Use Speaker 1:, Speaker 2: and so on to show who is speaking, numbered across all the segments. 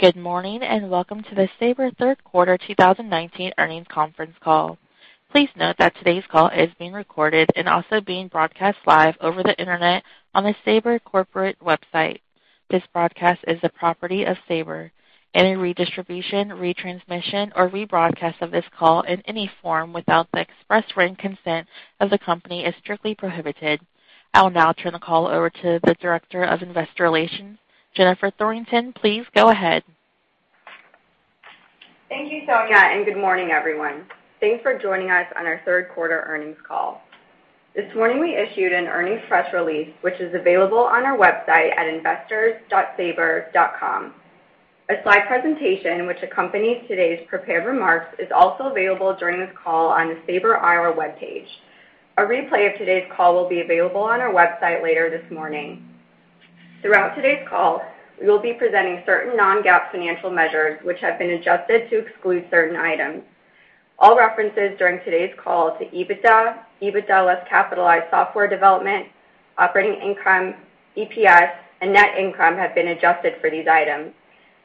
Speaker 1: Good morning, and welcome to the Sabre third quarter 2019 earnings conference call. Please note that today's call is being recorded and also being broadcast live over the internet on the Sabre corporate website. This broadcast is the property of Sabre. Any redistribution, retransmission, or rebroadcast of this call in any form without the express written consent of the company is strictly prohibited. I'll now turn the call over to the Director of Investor Relations, Jennifer Thorington. Please go ahead.
Speaker 2: Thank you, Sonia, and good morning, everyone. Thanks for joining us on our third quarter earnings call. This morning, we issued an earnings press release, which is available on our website at investors.sabre.com. A slide presentation which accompanies today's prepared remarks is also available during this call on the Sabre IR webpage. A replay of today's call will be available on our website later this morning. Throughout today's call, we will be presenting certain non-GAAP financial measures which have been adjusted to exclude certain items. All references during today's call to EBITDA, EBITDA less capitalized software development, operating income, EPS, and net income have been adjusted for these items.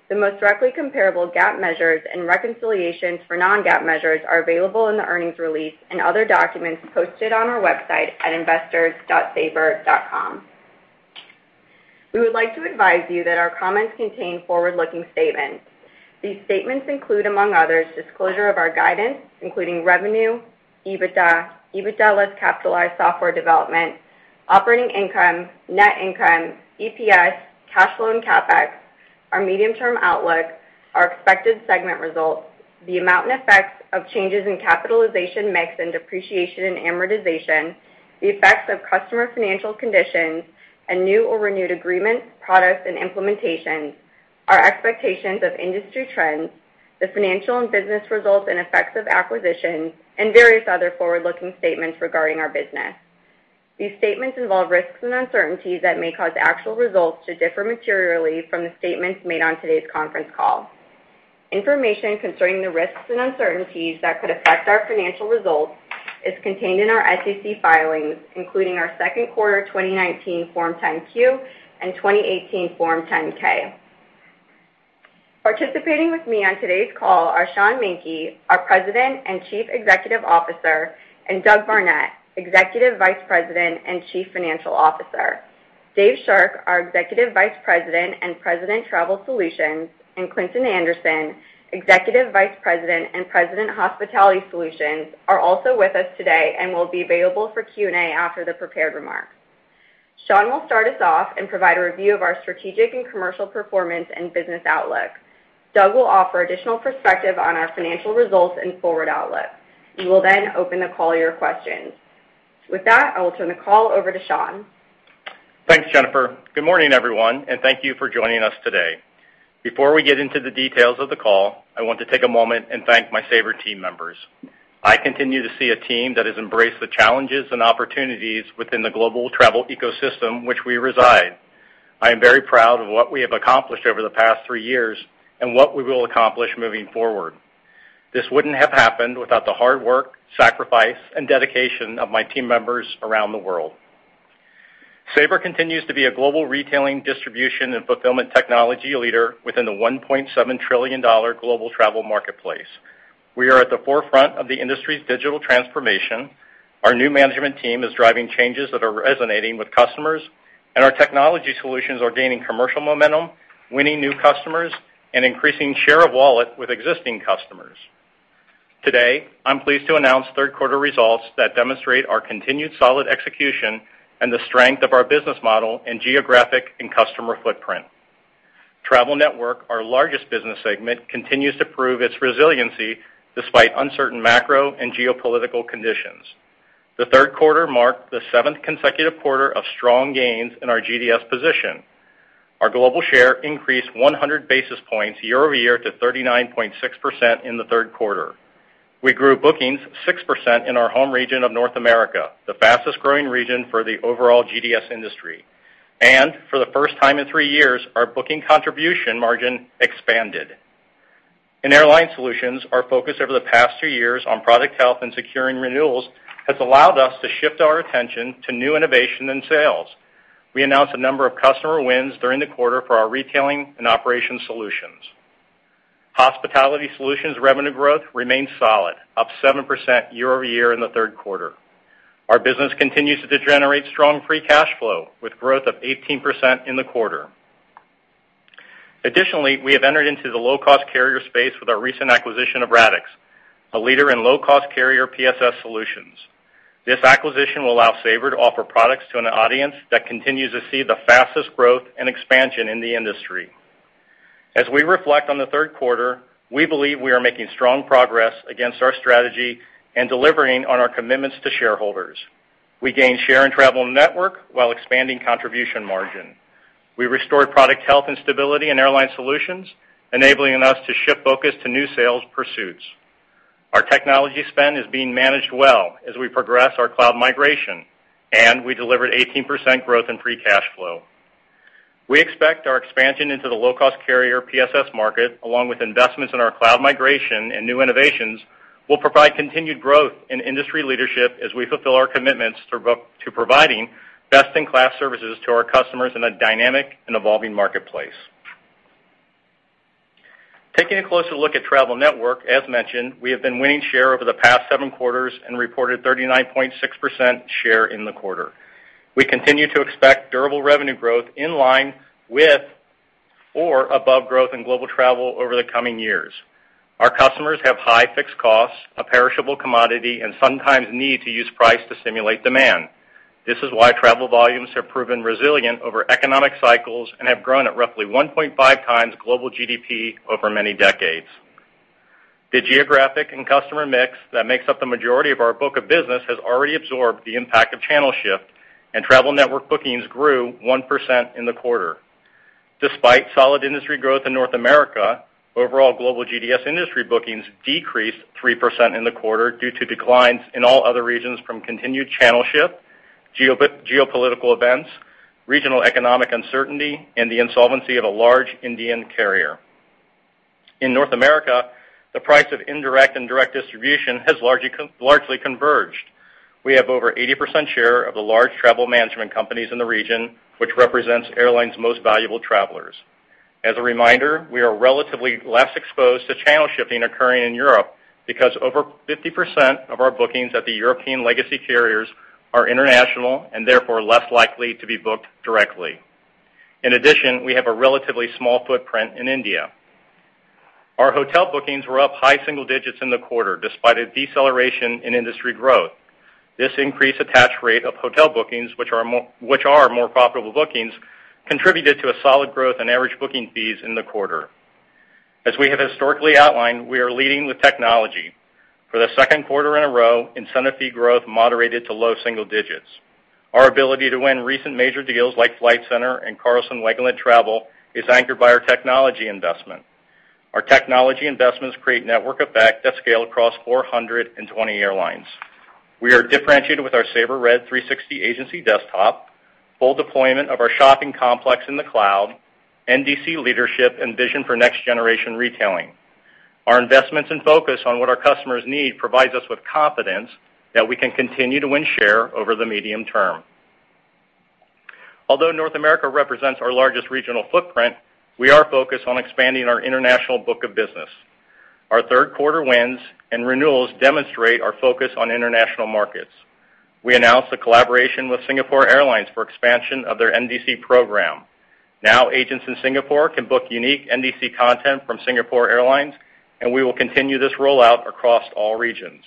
Speaker 2: The most directly comparable GAAP measures and reconciliations for non-GAAP measures are available in the earnings release and other documents posted on our website at investors.sabre.com. We would like to advise you that our comments contain forward-looking statements. These statements include, among others, disclosure of our guidance, including revenue, EBITDA, EBITDA less capitalized software development, operating income, net income, EPS, cash flow and CapEx, our medium-term outlook, our expected segment results, the amount and effects of changes in capitalization mix and depreciation and amortization, the effects of customer financial conditions and new or renewed agreements, products, and implementations, our expectations of industry trends, the financial and business results and effects of acquisitions, and various other forward-looking statements regarding our business. These statements involve risks and uncertainties that may cause actual results to differ materially from the statements made on today's conference call. Information concerning the risks and uncertainties that could affect our financial results is contained in our SEC filings, including our second quarter 2019 Form 10-Q and 2018 Form 10-K. Participating with me on today's call are Sean Menke, our President and Chief Executive Officer, and Doug Barnett, Executive Vice President and Chief Financial Officer. Dave Shirk, our Executive Vice President and President of Travel Solutions, and Clinton Anderson, Executive Vice President and President of Hospitality Solutions, are also with us today and will be available for Q&A after the prepared remarks. Sean will start us off and provide a review of our strategic and commercial performance and business outlook. Doug will offer additional perspective on our financial results and forward outlook. We will then open the call to your questions. With that, I will turn the call over to Sean.
Speaker 3: Thanks, Jennifer. Good morning, everyone, thank you for joining us today. Before we get into the details of the call, I want to take a moment and thank my Sabre team members. I continue to see a team that has embraced the challenges and opportunities within the global travel ecosystem which we reside. I am very proud of what we have accomplished over the past three years and what we will accomplish moving forward. This wouldn't have happened without the hard work, sacrifice, and dedication of my team members around the world. Sabre continues to be a global retailing, distribution, and fulfillment technology leader within the $1.7 trillion global travel marketplace. We are at the forefront of the industry's digital transformation. Our new management team is driving changes that are resonating with customers, and our technology solutions are gaining commercial momentum, winning new customers, and increasing share of wallet with existing customers. Today, I'm pleased to announce third quarter results that demonstrate our continued solid execution and the strength of our business model and geographic and customer footprint. Travel Network, our largest business segment, continues to prove its resiliency despite uncertain macro and geopolitical conditions. The third quarter marked the seventh consecutive quarter of strong gains in our GDS position. Our global share increased 100 basis points year-over-year to 39.6% in the third quarter. We grew bookings 6% in our home region of North America, the fastest-growing region for the overall GDS industry. For the first time in three years, our booking contribution margin expanded. In Airline Solutions, our focus over the past two years on product health and securing renewals has allowed us to shift our attention to new innovation and sales. We announced a number of customer wins during the quarter for our retailing and operations solutions. Hospitality Solutions revenue growth remains solid, up 7% year-over-year in the third quarter. Our business continues to generate strong free cash flow, with growth of 18% in the quarter. Additionally, we have entered into the low-cost carrier space with our recent acquisition of Radixx, a leader in low-cost carrier PSS solutions. This acquisition will allow Sabre to offer products to an audience that continues to see the fastest growth and expansion in the industry. As we reflect on the third quarter, we believe we are making strong progress against our strategy and delivering on our commitments to shareholders. We gained share in Travel Network while expanding contribution margin. We restored product health and stability in Airline Solutions, enabling us to shift focus to new sales pursuits. Our technology spend is being managed well as we progress our cloud migration, and we delivered 18% growth in free cash flow. We expect our expansion into the low-cost carrier PSS market, along with investments in our cloud migration and new innovations, will provide continued growth in industry leadership as we fulfill our commitments to providing best-in-class services to our customers in a dynamic and evolving marketplace. Taking a closer look at Travel Network, as mentioned, we have been winning share over the past seven quarters and reported 39.6% share in the quarter. We continue to expect durable revenue growth in line with or above growth in global travel over the coming years. Our customers have high fixed costs, a perishable commodity, and sometimes need to use price to stimulate demand. This is why travel volumes have proven resilient over economic cycles and have grown at roughly 1.5x global GDP over many decades. The geographic and customer mix that makes up the majority of our book of business has already absorbed the impact of channel shift, and Travel Network bookings grew 1% in the quarter. Despite solid industry growth in North America, overall global GDS industry bookings decreased 3% in the quarter due to declines in all other regions from continued channel shift, geopolitical events, regional economic uncertainty, and the insolvency of a large Indian carrier. In North America, the price of indirect and direct distribution has largely converged. We have over 80% share of the large travel management companies in the region, which represents airlines' most valuable travelers. As a reminder, we are relatively less exposed to channel shifting occurring in Europe because over 50% of our bookings at the European legacy carriers are international and therefore less likely to be booked directly. In addition, we have a relatively small footprint in India. Our hotel bookings were up high single digits in the quarter, despite a deceleration in industry growth. This increased attach rate of hotel bookings, which are more profitable bookings, contributed to a solid growth in average booking fees in the quarter. As we have historically outlined, we are leading with technology. For the second quarter in a row, incentive fee growth moderated to low single digits. Our ability to win recent major deals like Flight Centre and Carlson Wagonlit Travel is anchored by our technology investment. Our technology investments create network effect that scale across 420 airlines. We are differentiated with our Sabre Red 360 agency desktop, full deployment of our shopping complex in the cloud, NDC leadership, and vision for next-generation retailing. Our investments and focus on what our customers need provides us with confidence that we can continue to win share over the medium term. Although North America represents our largest regional footprint, we are focused on expanding our international book of business. Our third quarter wins and renewals demonstrate our focus on international markets. We announced a collaboration with Singapore Airlines for expansion of their NDC program. Now, agents in Singapore can book unique NDC content from Singapore Airlines, and we will continue this rollout across all regions.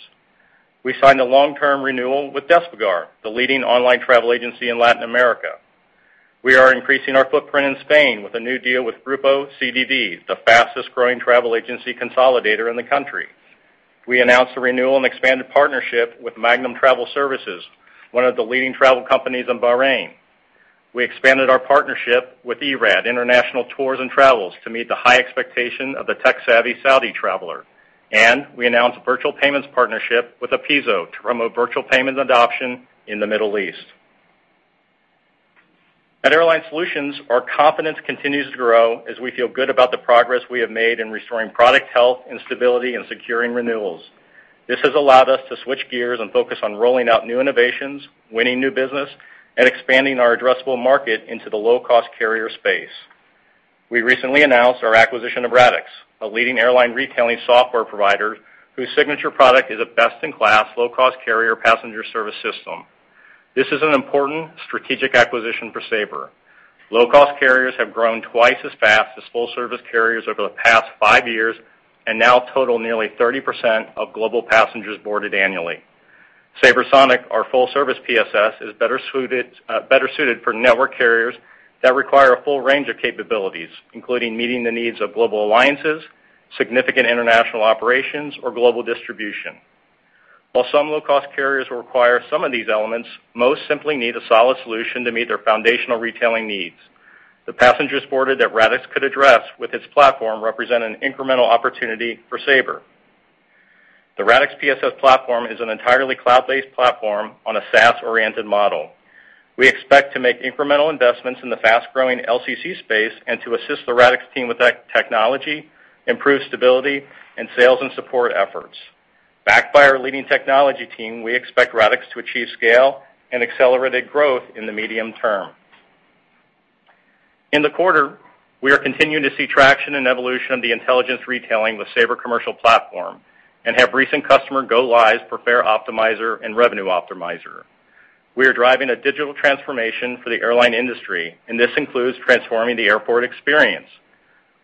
Speaker 3: We signed a long-term renewal with Despegar, the leading online travel agency in Latin America. We are increasing our footprint in Spain with a new deal with Grupo CDV, the fastest-growing travel agency consolidator in the country. We announced a renewal and expanded partnership with Magnum Travel Services, one of the leading travel companies in Bahrain. We expanded our partnership with Eirad International Tours and Travels, to meet the high expectation of the tech-savvy Saudi traveler. We announced a virtual payments partnership with Apiso to promote virtual payments adoption in the Middle East. At Airline Solutions, our confidence continues to grow as we feel good about the progress we have made in restoring product health and stability and securing renewals. This has allowed us to switch gears and focus on rolling out new innovations, winning new business, and expanding our addressable market into the low-cost carrier space. We recently announced our acquisition of Radixx, a leading airline retailing software provider whose signature product is a best-in-class low-cost carrier passenger service system. This is an important strategic acquisition for Sabre. Low-cost carriers have grown twice as fast as full-service carriers over the past five years and now total nearly 30% of global passengers boarded annually. SabreSonic, our full-service PSS, is better suited for network carriers that require a full range of capabilities, including meeting the needs of global alliances, significant international operations, or global distribution. While some low-cost carriers will require some of these elements, most simply need a solid solution to meet their foundational retailing needs. The passengers boarded that Radixx could address with its platform represent an incremental opportunity for Sabre. The Radixx PSS platform is an entirely cloud-based platform on a SaaS-oriented model. We expect to make incremental investments in the fast-growing LCC space and to assist the Radixx team with technology, improve stability, and sales and support efforts. Backed by our leading technology team, we expect Radixx to achieve scale and accelerated growth in the medium term. In the quarter, we are continuing to see traction and evolution of the intelligence retailing with Sabre Commercial Platform and have recent customer go-lives for Fare Optimizer and Revenue Optimizer. We are driving a digital transformation for the airline industry, and this includes transforming the airport experience.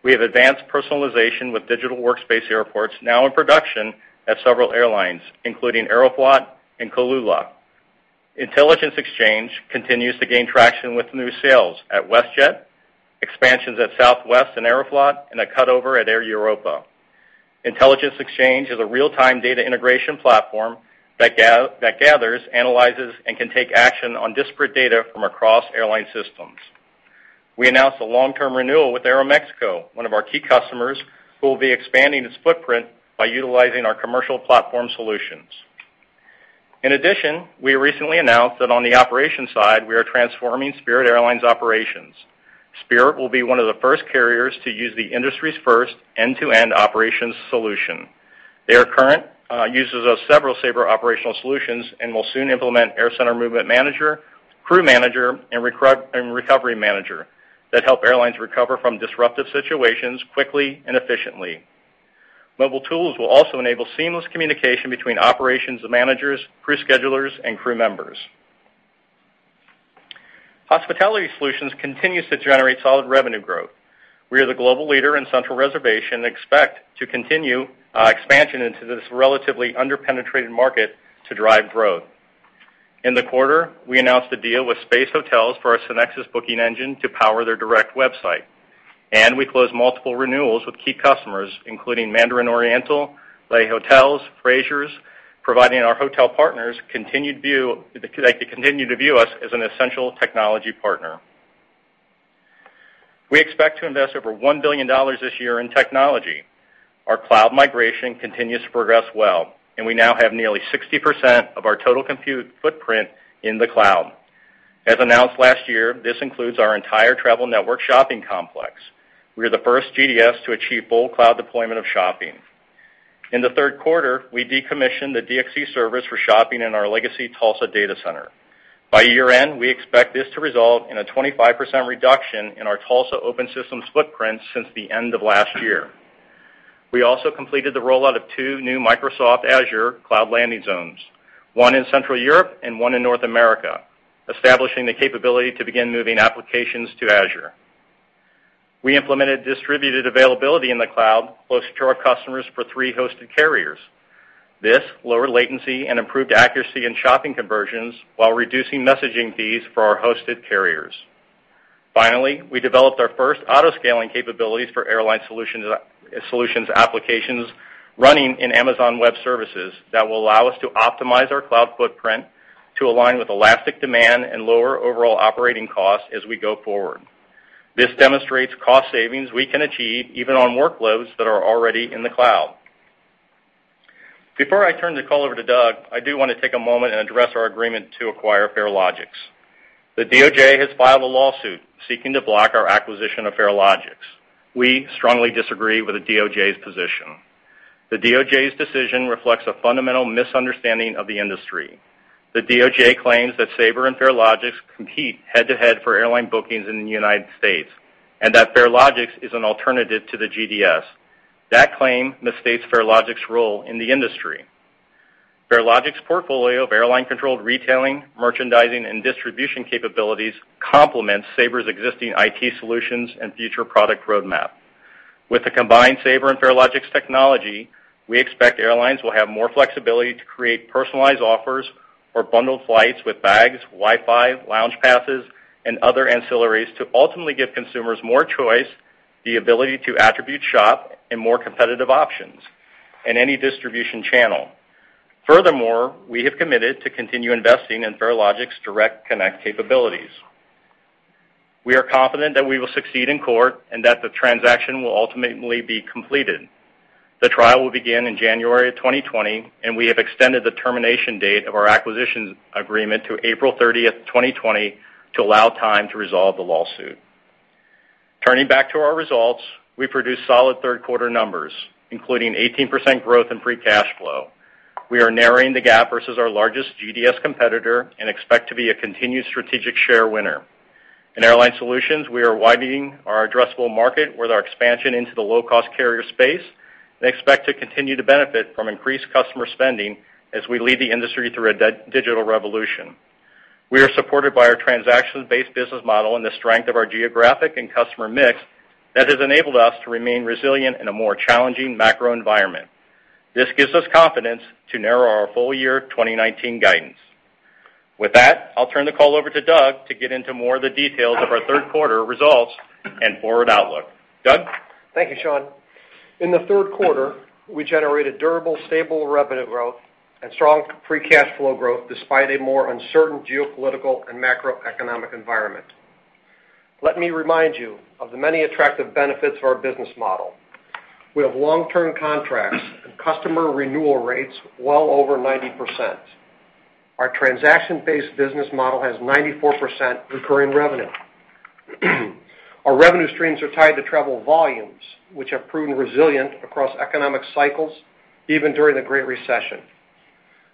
Speaker 3: We have advanced personalization with Digital Workspace Airports now in production at several airlines, including Aeroflot and kulula.com. Intelligence Exchange continues to gain traction with new sales at WestJet, expansions at Southwest and Aeroflot, and a cut-over at Air Europa. Intelligence Exchange is a real-time data integration platform that gathers, analyzes, and can take action on disparate data from across airline systems. We announced a long-term renewal with Aeroméxico, one of our key customers, who will be expanding its footprint by utilizing our commercial platform solutions. In addition, we recently announced that on the operations side, we are transforming Spirit Airlines' operations. Spirit will be one of the first carriers to use the industry's first end-to-end operations solution. They are current users of several Sabre operational solutions and will soon implement AirCentre Movement Manager, Crew Manager, and Recovery Manager that help airlines recover from disruptive situations quickly and efficiently. Mobile tools will also enable seamless communication between operations managers, crew schedulers, and crew members. Hospitality Solutions continues to generate solid revenue growth. We are the global leader in central reservations, and expect to continue expansion into this relatively under-penetrated market to drive growth. In the quarter, we announced a deal with Space Hotels for our SynXis Booking Engine to power their direct website. We closed multiple renewals with key customers, including Mandarin Oriental, Le Hotels, Frasers, providing our hotel partners, they continue to view us as an essential technology partner. We expect to invest over $1 billion this year in technology. Our cloud migration continues to progress well, and we now have nearly 60% of our total compute footprint in the cloud. As announced last year, this includes our entire Travel Network shopping complex. We are the first GDS to achieve full cloud deployment of shopping. In the third quarter, we decommissioned the DXC servers for shopping in our legacy Tulsa data center. By year-end, we expect this to result in a 25% reduction in our Tulsa open systems footprint since the end of last year. We also completed the rollout of two new Microsoft Azure cloud landing zones, one in Central Europe and one in North America, establishing the capability to begin moving applications to Azure. We implemented distributed availability in the cloud closer to our customers for three hosted carriers. This lowered latency and improved accuracy in shopping conversions while reducing messaging fees for our hosted carriers. Finally, we developed our first auto-scaling capabilities for Airline Solutions applications running in Amazon Web Services that will allow us to optimize our cloud footprint to align with elastic demand and lower overall operating costs as we go forward. This demonstrates cost savings we can achieve even on workloads that are already in the cloud. Before I turn the call over to Doug, I do want to take a moment and address our agreement to acquire Farelogix. The DOJ has filed a lawsuit seeking to block our acquisition of Farelogix. We strongly disagree with the DOJ's position. The DOJ's decision reflects a fundamental misunderstanding of the industry. The DOJ claims that Sabre and Farelogix compete head-to-head for airline bookings in the United States, and that Farelogix is an alternative to the GDS. That claim misstates Farelogix's role in the industry. Farelogix's portfolio of airline-controlled retailing, merchandising, and distribution capabilities complements Sabre's existing IT solutions and future product roadmap. With the combined Sabre and Farelogix technology, we expect airlines will have more flexibility to create personalized offers or bundle flights with bags, Wi-Fi, lounge passes, and other ancillaries to ultimately give consumers more choice, the ability to attribute shop, and more competitive options in any distribution channel. Furthermore, we have committed to continue investing in Farelogix direct connect capabilities. We are confident that we will succeed in court and that the transaction will ultimately be completed. The trial will begin in January of 2020, and we have extended the termination date of our acquisition agreement to April 30th, 2020, to allow time to resolve the lawsuit. Turning back to our results, we produced solid third quarter numbers, including 18% growth in free cash flow. We are narrowing the gap versus our largest GDS competitor and expect to be a continued strategic share winner. In Airline Solutions, we are widening our addressable market with our expansion into the low-cost carrier space and expect to continue to benefit from increased customer spending as we lead the industry through a digital revolution. We are supported by our transactions-based business model and the strength of our geographic and customer mix that has enabled us to remain resilient in a more challenging macro environment. This gives us confidence to narrow our full year 2019 guidance. With that, I'll turn the call over to Doug to get into more of the details of our third quarter results and forward outlook. Doug?
Speaker 4: Thank you, Sean. In the third quarter, we generated durable, stable revenue growth and strong free cash flow growth despite a more uncertain geopolitical and macroeconomic environment. Let me remind you of the many attractive benefits of our business model. We have long-term contracts and customer renewal rates well over 90%. Our transaction-based business model has 94% recurring revenue. Our revenue streams are tied to travel volumes, which have proven resilient across economic cycles, even during the Great Recession.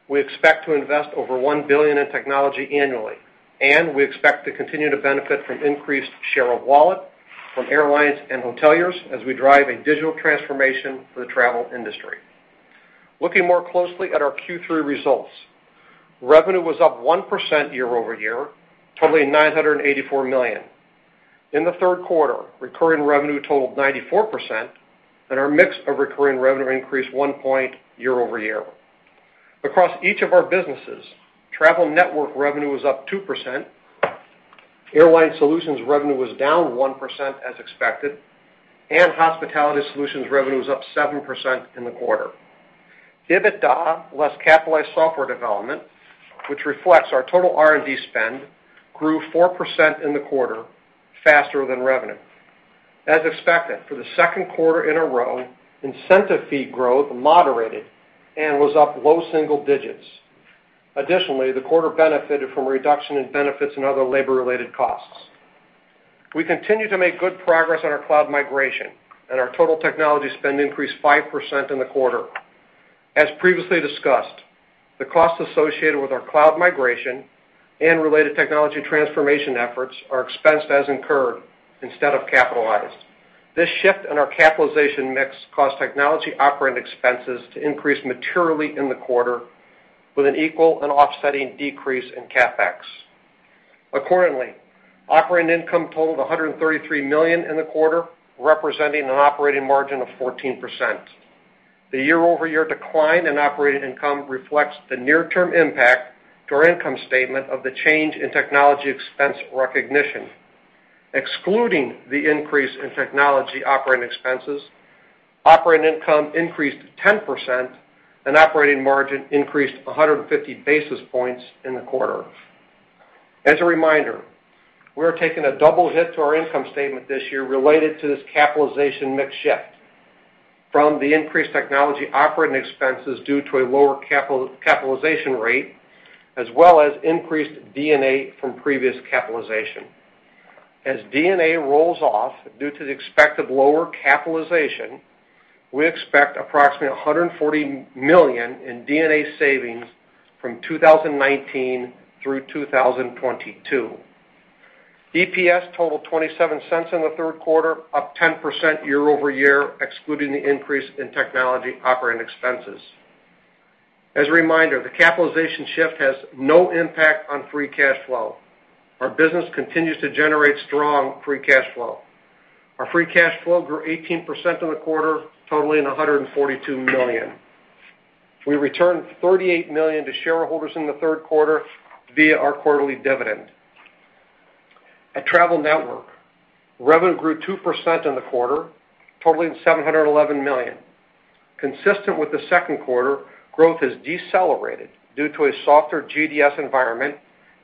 Speaker 4: We expect to invest over $1 billion in technology annually, and we expect to continue to benefit from increased share of wallet from airlines and hoteliers as we drive a digital transformation for the travel industry. Looking more closely at our Q3 results. Revenue was up 1% year-over-year, totaling $984 million. In the third quarter, recurring revenue totaled 94%, our mix of recurring revenue increased 1 point year-over-year. Across each of our businesses, Travel Network revenue was up 2%, Airline Solutions revenue was down 1% as expected, Hospitality Solutions revenue was up 7% in the quarter. EBITDA less capitalized software development, which reflects our total R&D spend, grew 4% in the quarter faster than revenue. As expected, for the second quarter in a row, incentive fee growth moderated and was up low single digits. Additionally, the quarter benefited from a reduction in benefits and other labor-related costs. We continue to make good progress on our cloud migration, our total technology spend increased 5% in the quarter. As previously discussed, the costs associated with our cloud migration and related technology transformation efforts are expensed as incurred instead of capitalized. This shift in our capitalization mix caused technology operating expenses to increase materially in the quarter with an equal and offsetting decrease in CapEx. Accordingly, operating income totaled $133 million in the quarter, representing an operating margin of 14%. The year-over-year decline in operating income reflects the near-term impact to our income statement of the change in technology expense recognition. Excluding the increase in technology operating expenses, operating income increased 10% and operating margin increased 150 basis points in the quarter. As a reminder, we're taking a double hit to our income statement this year related to this capitalization mix shift from the increased technology operating expenses due to a lower capitalization rate, as well as increased D&A from previous capitalization. As D&A rolls off due to the expected lower capitalization, we expect approximately $140 million in D&A savings from 2019 through 2022. EPS totaled $0.27 in the third quarter, up 10% year-over-year, excluding the increase in technology operating expenses. As a reminder, the capitalization shift has no impact on free cash flow. Our business continues to generate strong free cash flow. Our free cash flow grew 18% in the quarter, totaling $142 million. We returned $38 million to shareholders in the third quarter via our quarterly dividend. At Travel Network, revenue grew 2% in the quarter, totaling $711 million. Consistent with the second quarter, growth has decelerated due to a softer GDS environment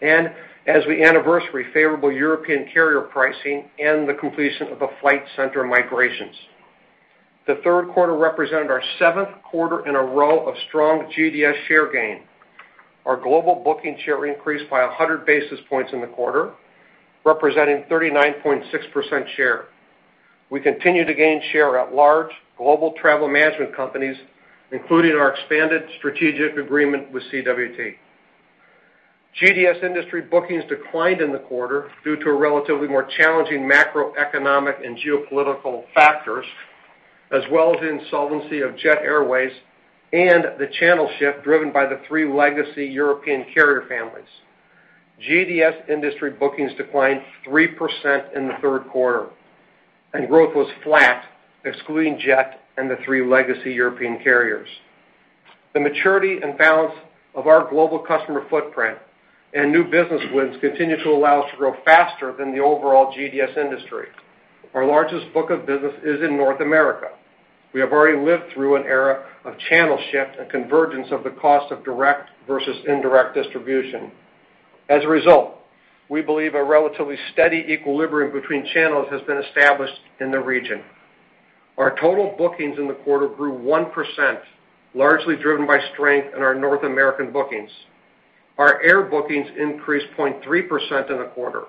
Speaker 4: and as we anniversary favorable European carrier pricing and the completion of the Flight Centre migrations. The third quarter represented our seventh quarter in a row of strong GDS share gain. Our global booking share increased by 100 basis points in the quarter, representing 39.6% share. We continue to gain share at large global travel management companies, including our expanded strategic agreement with CWT. GDS industry bookings declined in the quarter due to a relatively more challenging macroeconomic and geopolitical factors, as well as the insolvency of Jet Airways and the channel shift driven by the three legacy European carrier families. GDS industry bookings declined 3% in the third quarter, and growth was flat excluding Jet Airways and the three legacy European carriers. The maturity and balance of our global customer footprint and new business wins continue to allow us to grow faster than the overall GDS industry. Our largest book of business is in North America. We have already lived through an era of channel shift and convergence of the cost of direct versus indirect distribution. As a result, we believe a relatively steady equilibrium between channels has been established in the region. Our total bookings in the quarter grew 1%, largely driven by strength in our North American bookings. Our air bookings increased 0.3% in the quarter.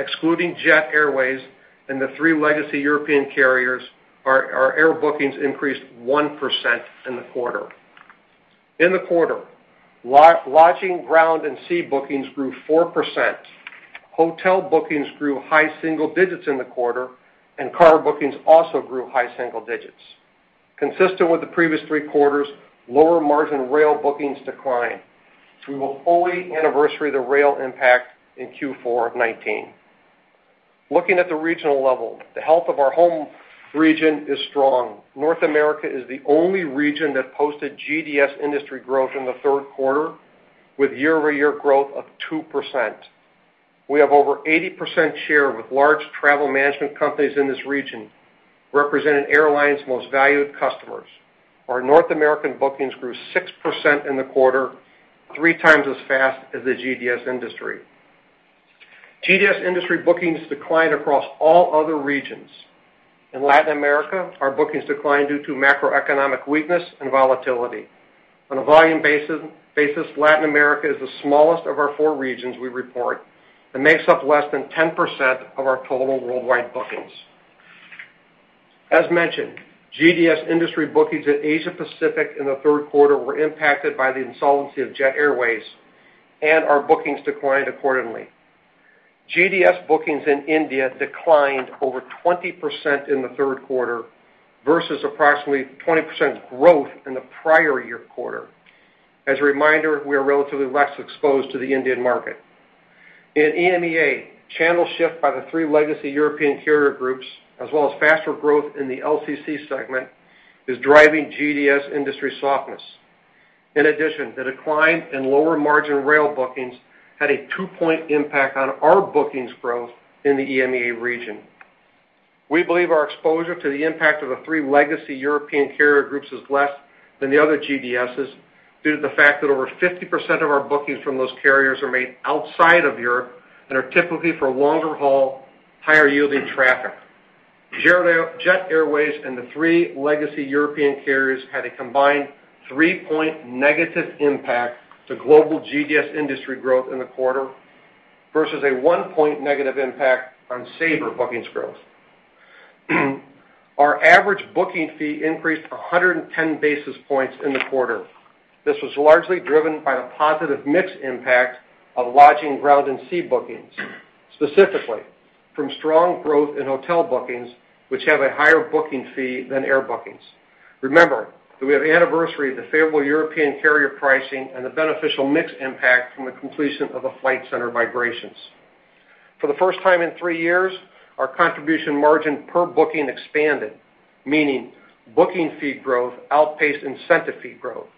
Speaker 4: Excluding Jet Airways and the three legacy European carriers, our air bookings increased 1% in the quarter. In the quarter, Lodging, Ground, and Sea bookings grew 4%. Hotel bookings grew high single digits in the quarter, and car bookings also grew high single digits. Consistent with the previous three quarters, lower-margin rail bookings declined. We will fully anniversary the rail impact in Q4 2019. Looking at the regional level, the health of our home region is strong. North America is the only region that posted GDS industry growth in the third quarter with year-over-year growth of 2%. We have over 80% share with large travel management companies in this region, representing airlines' most valued customers. Our North American bookings grew 6% in the quarter, 3x as fast as the GDS industry. GDS industry bookings declined across all other regions. In Latin America, our bookings declined due to macroeconomic weakness and volatility. On a volume basis, Latin America is the smallest of our four regions we report and makes up less than 10% of our total worldwide bookings. As mentioned, GDS industry bookings at Asia-Pacific in the third quarter were impacted by the insolvency of Jet Airways and our bookings declined accordingly. GDS bookings in India declined over 20% in the third quarter versus approximately 20% growth in the prior year quarter. As a reminder, we are relatively less exposed to the Indian market. In EMEA, channel shift by the three legacy European carrier groups as well as faster growth in the LCC segment is driving GDS industry softness. In addition, the decline in lower-margin rail bookings had a 2-point impact on our bookings growth in the EMEA region. We believe our exposure to the impact of the three legacy European carrier groups is less than the other GDSs. Due to the fact that over 50% of our bookings from those carriers are made outside of Europe and are typically for longer haul, higher yielding traffic. Jet Airways and the three legacy European carriers had a combined 3-point negative impact to global GDS industry growth in the quarter versus a 1-point negative impact on Sabre bookings growth. Our average booking fee increased 110 basis points in the quarter. This was largely driven by the positive mix impact of Lodging, Ground and Sea bookings, specifically from strong growth in hotel bookings, which have a higher booking fee than air bookings. Remember that we have anniversary, the favorable European carrier pricing, and the beneficial mix impact from the completion of the Flight Centre migrations. For the first time in three years, our contribution margin per booking expanded, meaning booking fee growth outpaced incentive fee growth.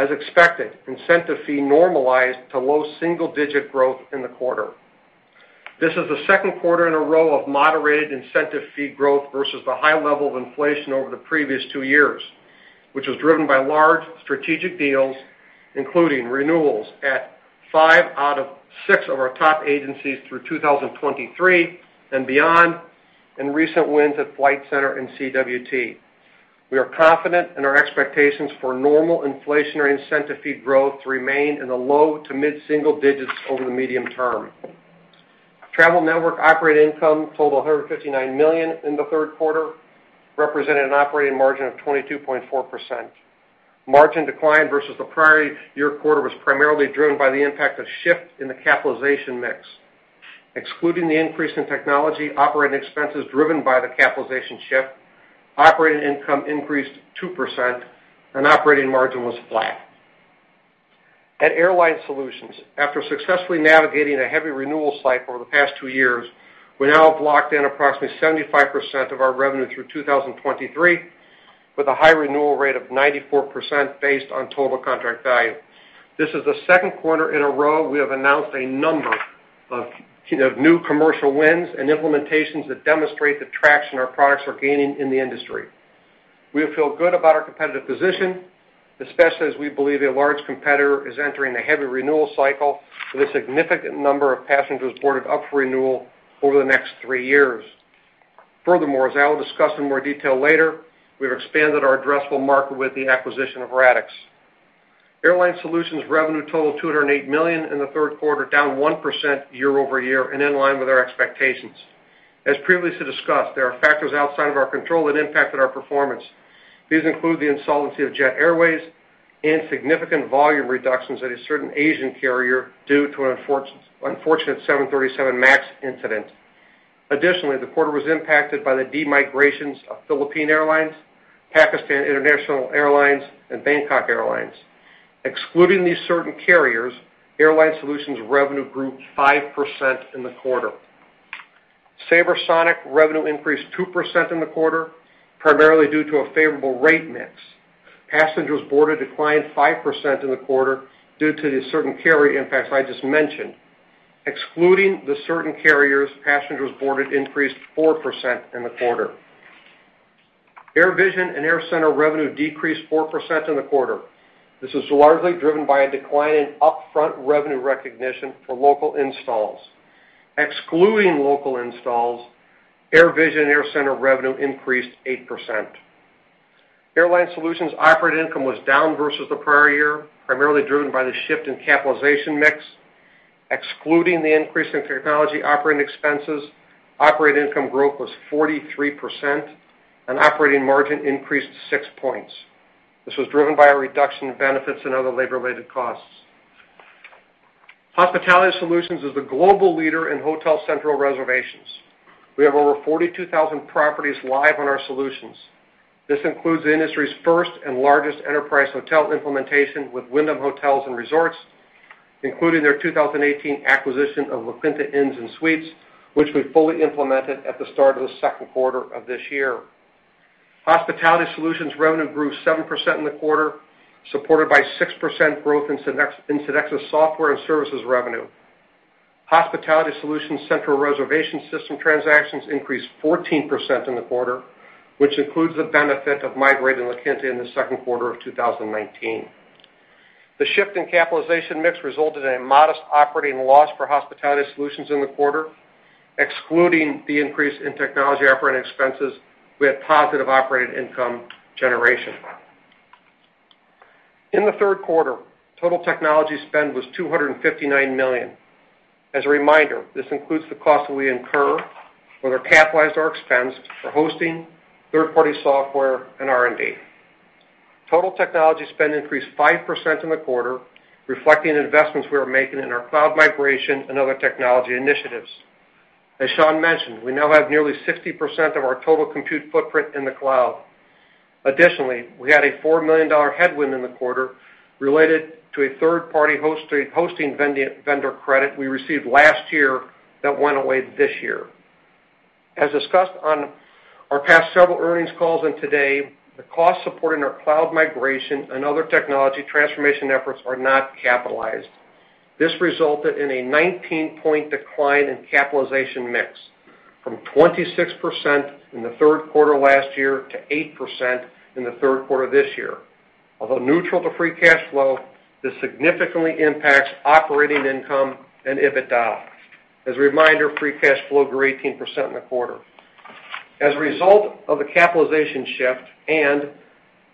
Speaker 4: As expected, incentive fee normalized to low single digit growth in the quarter. This is the second quarter in a row of moderated incentive fee growth versus the high level of inflation over the previous two years, which was driven by large strategic deals, including renewals at five out of six of our top agencies through 2023 and beyond, and recent wins at Flight Centre and CWT. We are confident in our expectations for normal inflationary incentive fee growth to remain in the low to mid-single digits over the medium term. Travel Network operating income totaled $159 million in the third quarter, representing an operating margin of 22.4%. Margin decline versus the prior year quarter was primarily driven by the impact of shift in the capitalization mix. Excluding the increase in technology operating expenses driven by the capitalization shift, operating income increased 2% and operating margin was flat. At Airline Solutions, after successfully navigating a heavy renewal cycle over the past two years, we now have locked in approximately 75% of our revenue through 2023, with a high renewal rate of 94% based on total contract value. This is the second quarter in a row we have announced a number of new commercial wins and implementations that demonstrate the traction our products are gaining in the industry. We feel good about our competitive position, especially as we believe a large competitor is entering a heavy renewal cycle with a significant number of passengers boarded up for renewal over the next three years. Furthermore, as I will discuss in more detail later, we've expanded our addressable market with the acquisition of Radixx. Airline Solutions revenue totaled $208 million in the third quarter, down 1% year-over-year and in line with our expectations. As previously discussed, there are factors outside of our control that impacted our performance. These include the insolvency of Jet Airways and significant volume reductions at a certain Asian carrier due to an unfortunate 737 MAX incident. Additionally, the quarter was impacted by the de-migrations of Philippine Airlines, Pakistan International Airlines, and Bangkok Airways. Excluding these certain carriers, Airline Solutions revenue grew 5% in the quarter. SabreSonic revenue increased 2% in the quarter, primarily due to a favorable rate mix. Passengers boarded declined 5% in the quarter due to the certain carrier impacts I just mentioned. Excluding the certain carriers, passengers boarded increased 4% in the quarter. AirVision and AirCentre revenue decreased 4% in the quarter. This was largely driven by a decline in upfront revenue recognition for local installs. Excluding local installs, AirVision and AirCentre revenue increased 8%. Airline Solutions operating income was down versus the prior year, primarily driven by the shift in capitalization mix. Excluding the increase in technology operating expenses, operating income growth was 43% and operating margin increased six points. This was driven by a reduction in benefits and other labor-related costs. Hospitality Solutions is the global leader in hotel central reservations. We have over 42,000 properties live on our solutions. This includes the industry's first and largest enterprise hotel implementation with Wyndham Hotels & Resorts, including their 2018 acquisition of La Quinta Inns & Suites, which we fully implemented at the start of the second quarter of this year. Hospitality Solutions revenue grew 7% in the quarter, supported by 6% growth in SynXis Software and Services revenue. Hospitality Solutions central reservation system transactions increased 14% in the quarter, which includes the benefit of migrating La Quinta in the second quarter of 2019. The shift in capitalization mix resulted in a modest operating loss for Hospitality Solutions in the quarter. Excluding the increase in technology operating expenses, we had positive operating income generation. In the third quarter, total technology spend was $259 million. As a reminder, this includes the cost that we incur, whether capitalized or expensed, for hosting, third-party software, and R&D. Total technology spend increased 5% in the quarter, reflecting investments we are making in our cloud migration and other technology initiatives. As Sean mentioned, we now have nearly 60% of our total compute footprint in the cloud. Additionally, we had a $4 million headwind in the quarter related to a third-party hosting vendor credit we received last year that went away this year. As discussed on our past several earnings calls and today, the cost supporting our cloud migration and other technology transformation efforts are not capitalized. This resulted in a 19-point decline in capitalization mix. From 26% in the third quarter last year to 8% in the third quarter this year. Although neutral to free cash flow, this significantly impacts operating income and EBITDA. As a reminder, free cash flow grew 18% in the quarter. As a result of the capitalization shift and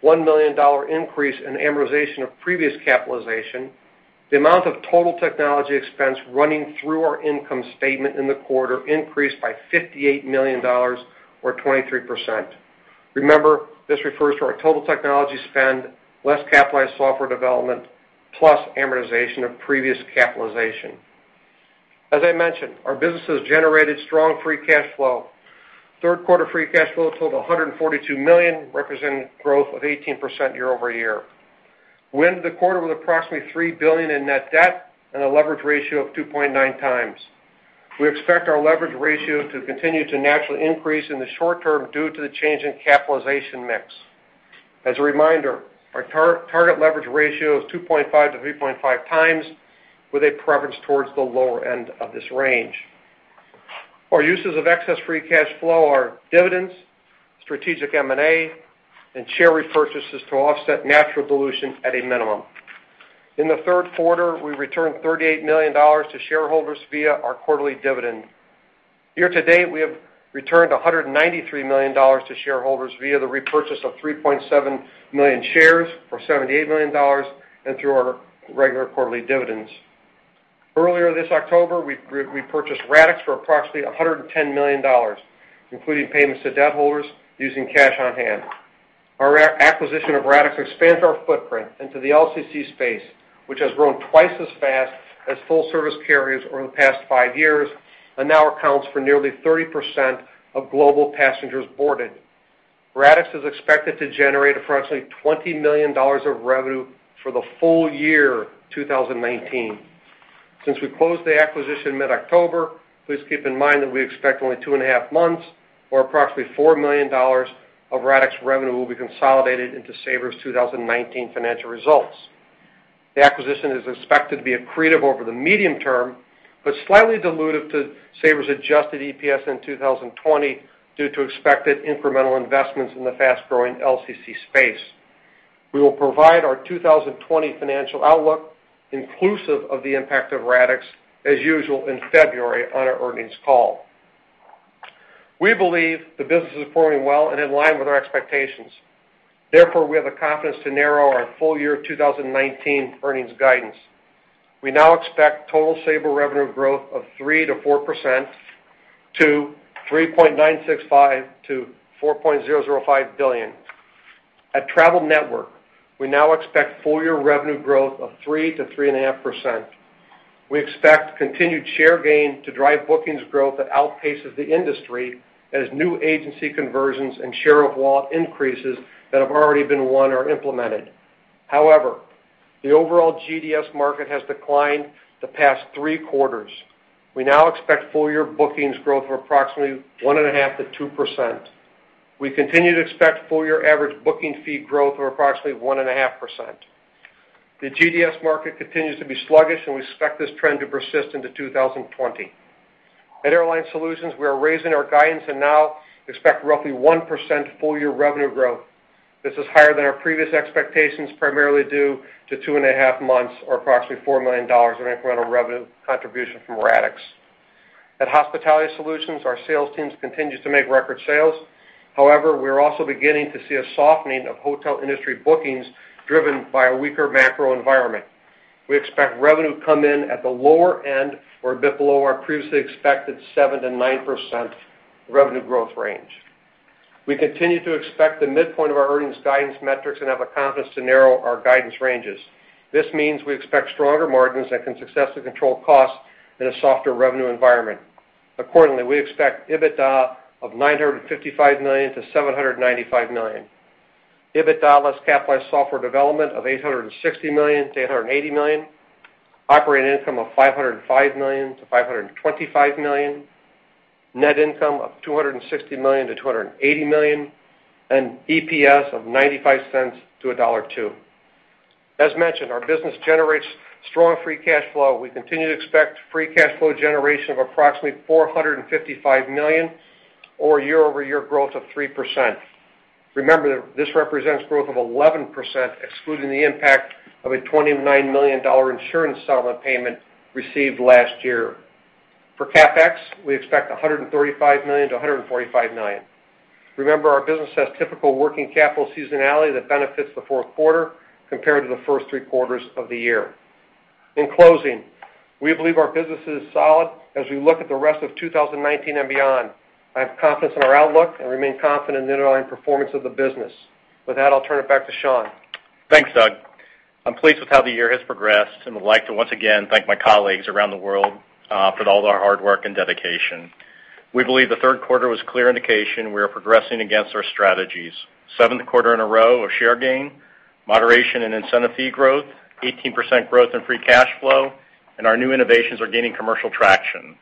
Speaker 4: $1 million increase in amortization of previous capitalization, the amount of total technology expense running through our income statement in the quarter increased by $58 million or 23%. Remember, this refers to our total technology spend, less capitalized software development, plus amortization of previous capitalization. As I mentioned, our businesses generated strong free cash flow. Third quarter free cash flow total of $142 million, representing growth of 18% year-over-year. We ended the quarter with approximately $3 billion in net debt and a leverage ratio of 2.9x. We expect our leverage ratio to continue to naturally increase in the short term due to the change in capitalization mix. As a reminder, our target leverage ratio is 2.5x-3.5x, with a preference towards the lower end of this range. Our uses of excess free cash flow are dividends, strategic M&A, and share repurchases to offset natural dilution at a minimum. In the third quarter, we returned $38 million to shareholders via our quarterly dividend. Year to date, we have returned $193 million to shareholders via the repurchase of 3.7 million shares for $78 million and through our regular quarterly dividends. Earlier this October, we purchased Radixx for approximately $110 million, including payments to debt holders using cash on hand. Our acquisition of Radixx expands our footprint into the LCC space, which has grown twice as fast as full service carriers over the past five years and now accounts for nearly 30% of global passengers boarded. Radixx is expected to generate approximately $20 million of revenue for the full year 2019. Since we closed the acquisition mid-October, please keep in mind that we expect only 2.5 months or approximately $4 million of Radixx revenue will be consolidated into Sabre's 2019 financial results. The acquisition is expected to be accretive over the medium term, but slightly dilutive to Sabre's adjusted EPS in 2020 due to expected incremental investments in the fast-growing LCC space. We will provide our 2020 financial outlook inclusive of the impact of Radixx as usual in February on our earnings call. We believe the business is performing well and in line with our expectations. We have the confidence to narrow our full year 2019 earnings guidance. We now expect total Sabre revenue growth of 3%-4%, to $3.965 billion-$4.005 billion. At Travel Network, we now expect full year revenue growth of 3%-3.5%. We expect continued share gain to drive bookings growth that outpaces the industry as new agency conversions and share of wallet increases that have already been won or implemented. However, the overall GDS market has declined the past three quarters. We now expect full year bookings growth of approximately 1.5%-2%. We continue to expect full year average booking fee growth of approximately 1.5%. The GDS market continues to be sluggish, and we expect this trend to persist into 2020. At Airline Solutions, we are raising our guidance and now expect roughly 1% full year revenue growth. This is higher than our previous expectations, primarily due to 2.5 months or approximately $4 million in incremental revenue contribution from Radixx. At Hospitality Solutions, our sales teams continue to make record sales. However, we are also beginning to see a softening of hotel industry bookings driven by a weaker macro environment. We expect revenue to come in at the lower end or a bit below our previously expected 7%-9% revenue growth range. We continue to expect the midpoint of our earnings guidance metrics and have the confidence to narrow our guidance ranges. This means we expect stronger margins and can successfully control costs in a softer revenue environment. Accordingly, we expect EBITDA of $955 million-$975 million. EBITDA less capitalized software development of $860 million-$880 million, operating income of $505 million-$525 million, net income of $260 million-$280 million, and EPS of $0.95-$1.02. As mentioned, our business generates strong free cash flow. We continue to expect free cash flow generation of approximately $455 million or year-over-year growth of 3%. Remember, this represents growth of 11%, excluding the impact of a $29 million insurance settlement payment received last year. For CapEx, we expect $135 million-$145 million. Remember, our business has typical working capital seasonality that benefits the fourth quarter compared to the first three quarters of the year. In closing, we believe our business is solid as we look at the rest of 2019 and beyond. I have confidence in our outlook and remain confident in the underlying performance of the business. With that, I'll turn it back to Sean.
Speaker 3: Thanks, Doug. I'm pleased with how the year has progressed and would like to once again thank my colleagues around the world for all their hard work and dedication. We believe the third quarter was clear indication we are progressing against our strategies. Seventh quarter in a row of share gain, moderation in incentive fee growth, 18% growth in free cash flow, and our new innovations are gaining commercial traction.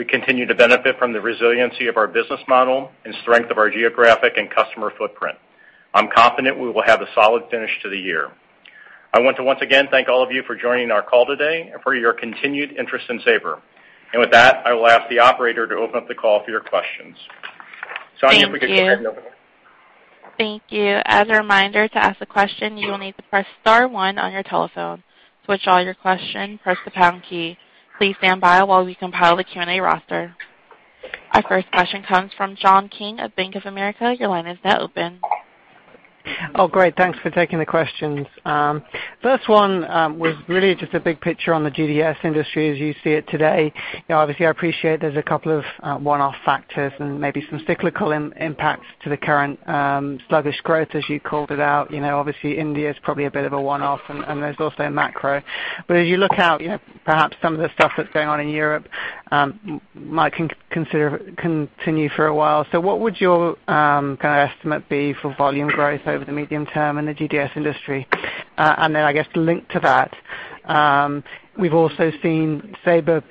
Speaker 3: We continue to benefit from the resiliency of our business model and strength of our geographic and customer footprint. I'm confident we will have a solid finish to the year. I want to once again thank all of you for joining our call today and for your continued interest in Sabre. With that, I will ask the operator to open up the call for your questions. Sonia, if we could-
Speaker 1: Thank you....
Speaker 3: go ahead and open.
Speaker 1: Thank you. As a reminder, to ask a question, you will need to press star one on your telephone. To withdraw your question, press the pound key. Please stand by while we compile the Q&A roster. Our first question comes from John King of Bank of America. Your line is now open.
Speaker 5: Great. Thanks for taking the questions. First one was really just a big picture on the GDS industry as you see it today. Obviously, I appreciate there's a couple of one-off factors and maybe some cyclical impacts to the current sluggish growth, as you called it out. Obviously, India is probably a bit of a one-off, and there's also macro. As you look out, perhaps some of the stuff that's going on in Europe might continue for a while. What would your estimate be for volume growth over the medium term in the GDS industry? I guess linked to that, we've also seen Sabre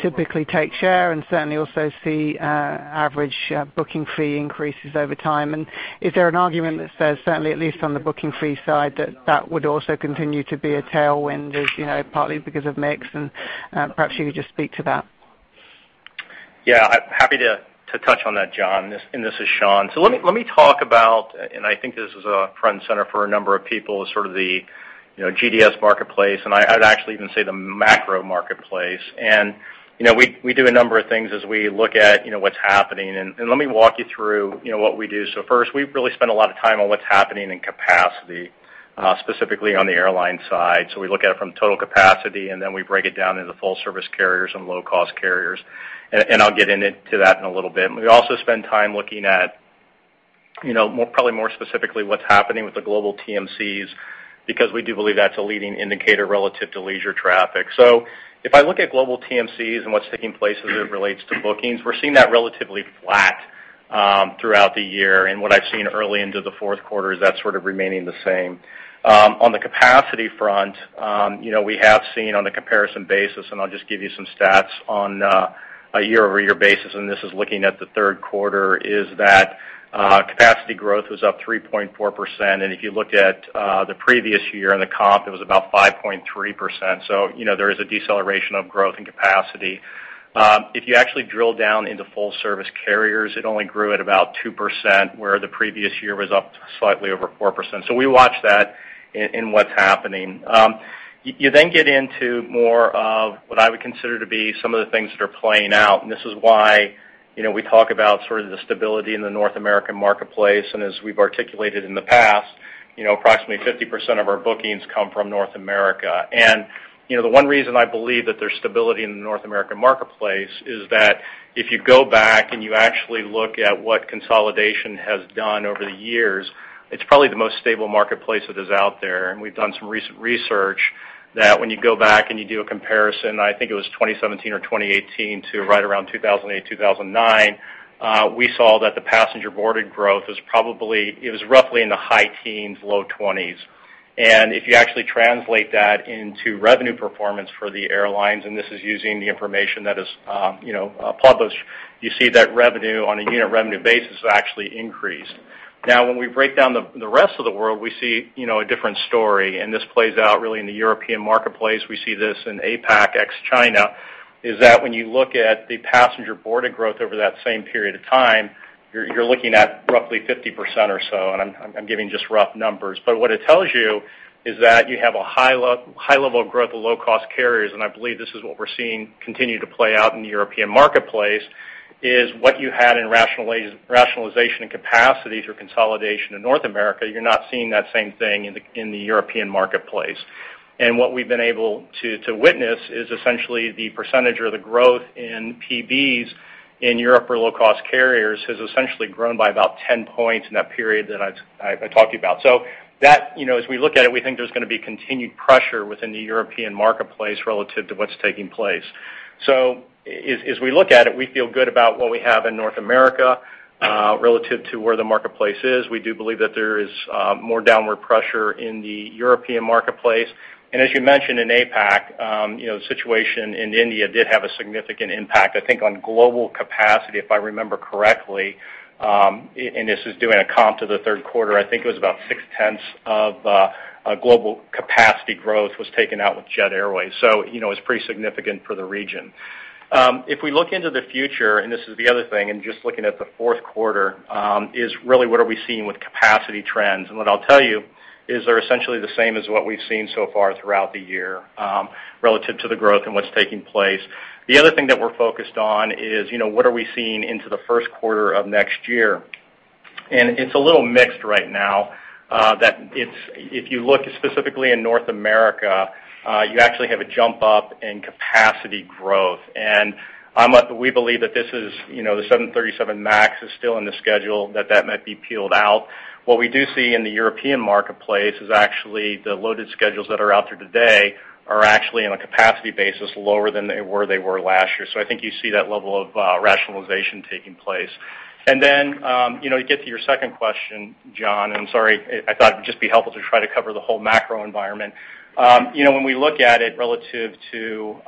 Speaker 5: typically take share and certainly also see average booking fee increases over time. Is there an argument that says, certainly at least on the booking fee side, that that would also continue to be a tailwind, as partly because of mix and perhaps you could just speak to that.
Speaker 3: Happy to touch on that, John. This is Sean. Let me talk about, and I think this is a front and center for a number of people, sort of the GDS marketplace, and I'd actually even say the macro marketplace. We do a number of things as we look at what's happening, and let me walk you through what we do. First, we've really spent a lot of time on what's happening in capacity, specifically on the airline side. We look at it from total capacity, and then we break it down into full-service carriers and low-cost carriers. I'll get into that in a little bit. We also spend time looking at probably more specifically what's happening with the global TMCs, because we do believe that's a leading indicator relative to leisure traffic. If I look at global TMCs and what's taking place as it relates to bookings, we're seeing that relatively flat throughout the year. What I've seen early into the fourth quarter is that sort of remaining the same. On the capacity front, we have seen on a comparison basis, and I'll just give you some stats on a year-over-year basis, and this is looking at the third quarter, is that capacity growth was up 3.4%. If you look at the previous year and the comp, it was about 5.3%. There is a deceleration of growth and capacity. If you actually drill down into full-service carriers, it only grew at about 2%, where the previous year was up slightly over 4%. We watch that in what's happening. You then get into more of what I would consider to be some of the things that are playing out, and this is why we talk about sort of the stability in the North American marketplace. As we've articulated in the past, approximately 50% of our bookings come from North America. The one reason I believe that there's stability in the North American marketplace is that if you go back and you actually look at what consolidation has done over the years, it's probably the most stable marketplace that is out there. We've done some recent research that when you go back and you do a comparison, I think it was 2017 or 2018 to right around 2008-2009, we saw that the passenger boarded growth it was roughly in the high teens, low 20s. If you actually translate that into revenue performance for the airlines, and this is using the information that is published, you see that revenue on a unit revenue basis actually increased. When we break down the rest of the world, we see a different story, and this plays out really in the European marketplace. We see this in APAC ex-China, is that when you look at the passenger boarded growth over that same period of time, you're looking at roughly 50% or so, and I'm giving just rough numbers. What it tells you is that you have a high level of growth of low-cost carriers, and I believe this is what we're seeing continue to play out in the European marketplace, is what you had in rationalization and capacity through consolidation in North America, you're not seeing that same thing in the European marketplace. What we've been able to witness is essentially the percentage or the growth in PBs in Europe for low-cost carriers has essentially grown by about 10 points in that period that I talked to you about. As we look at it, we think there's going to be continued pressure within the European marketplace relative to what's taking place. As we look at it, we feel good about what we have in North America relative to where the marketplace is. We do believe that there is more downward pressure in the European marketplace. As you mentioned, in APAC, the situation in India did have a significant impact, I think, on global capacity, if I remember correctly, and this is doing a comp to the third quarter, I think it was about six tenths of global capacity growth was taken out with Jet Airways. It's pretty significant for the region. If we look into the future, this is the other thing, just looking at the fourth quarter, is really what are we seeing with capacity trends? What I'll tell you is they're essentially the same as what we've seen so far throughout the year relative to the growth and what's taking place. The other thing that we're focused on is what are we seeing into the first quarter of next year? It's a little mixed right now, that if you look specifically in North America, you actually have a jump up in capacity growth. We believe that this is the 737 MAX is still in the schedule, that that might be peeled out. What we do see in the European marketplace is actually the loaded schedules that are out there today are actually on a capacity basis lower than they were last year. I think you see that level of rationalization taking place. Then, to get to your second question, John, and sorry, I thought it would just be helpful to try to cover the whole macro environment. When we look at it relative to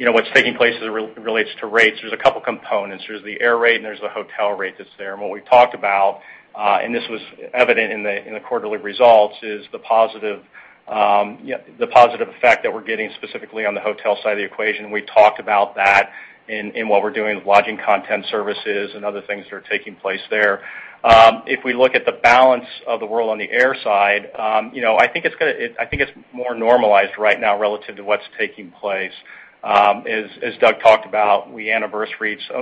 Speaker 3: what's taking place as it relates to rates, there's a couple components. There's the air rate and there's the hotel rate that's there. What we've talked about, and this was evident in the quarterly results, is the positive effect that we're getting specifically on the hotel side of the equation. We talked about that in what we're doing with Lodging Content Services and other things that are taking place there. If we look at the balance of the world on the air side, I think it's more normalized right now relative to what's taking place. As Doug talked about, we anniversaried some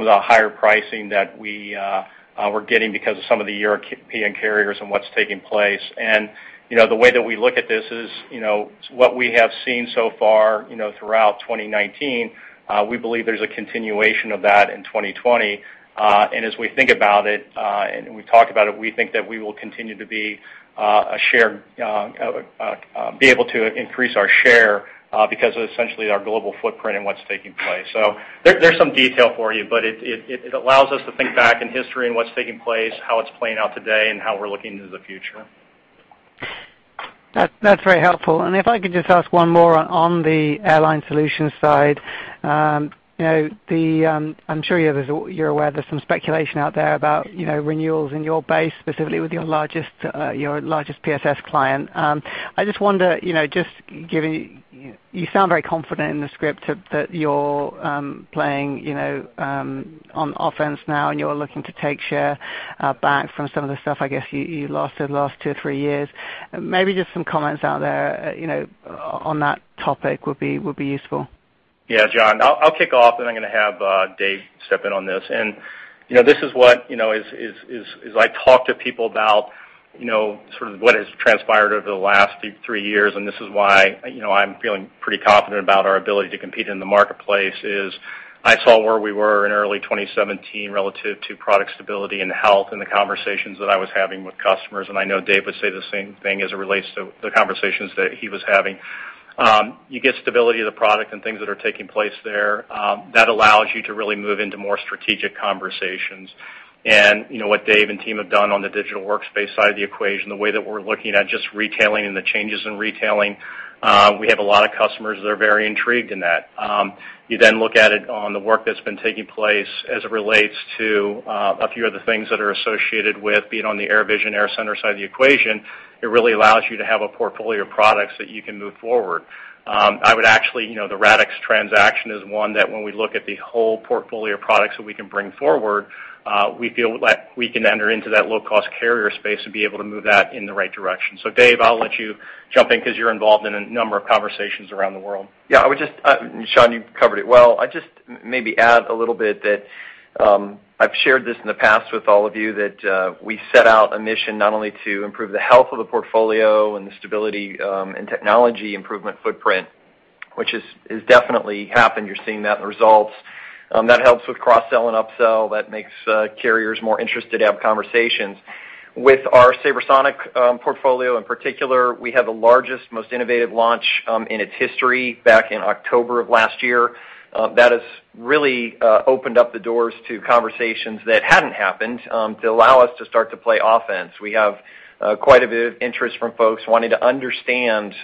Speaker 3: of the higher pricing that we were getting because of some of the European carriers and what's taking place. The way that we look at this is, what we have seen so far throughout 2019, we believe there's a continuation of that in 2020. As we think about it, and we've talked about it, we think that we will continue to be able to increase our share because of essentially our global footprint and what's taking place. There's some detail for you, but it allows us to think back in history and what's taking place, how it's playing out today, and how we're looking into the future.
Speaker 5: That's very helpful. If I could just ask one more on the Airline Solutions side. I'm sure you're aware there's some speculation out there about renewals in your base, specifically with your largest PSS client. I just wonder, you sound very confident in the script that you're playing on offense now, and you're looking to take share back from some of the stuff, I guess, you lost the last two or three years. Maybe just some comments out there on that topic would be useful.
Speaker 3: Yeah, John. I'll kick off, and then I'm going to have Dave step in on this. As I talk to people about sort of what has transpired over the last three years, and this is why I'm feeling pretty confident about our ability to compete in the marketplace is, I saw where we were in early 2017 relative to product stability and health and the conversations that I was having with customers, and I know Dave would say the same thing as it relates to the conversations that he was having. You get stability of the product and things that are taking place there, that allows you to really move into more strategic conversations. What Dave and team have done on the Digital Workspace side of the equation, the way that we're looking at just retailing and the changes in retailing, we have a lot of customers that are very intrigued in that. You then look at it on the work that's been taking place as it relates to a few of the things that are associated with being on the AirVision, AirCentre side of the equation, it really allows you to have a portfolio of products that you can move forward. The Radixx transaction is one that when we look at the whole portfolio of products that we can bring forward, we feel like we can enter into that low-cost carrier space and be able to move that in the right direction. Dave, I'll let you jump in because you're involved in a number of conversations around the world.
Speaker 6: Yeah. Sean, you've covered it well. I'd just maybe add a little bit that I've shared this in the past with all of you, that we set out a mission not only to improve the health of the portfolio and the stability and technology improvement footprint, which has definitely happened. You're seeing that in the results. That helps with cross-sell and up-sell. That makes carriers more interested to have conversations. With our SabreSonic portfolio in particular, we had the largest, most innovative launch in its history back in October of last year. That has really opened up the doors to conversations that hadn't happened to allow us to start to play offense. We have quite a bit of interest from folks wanting to understand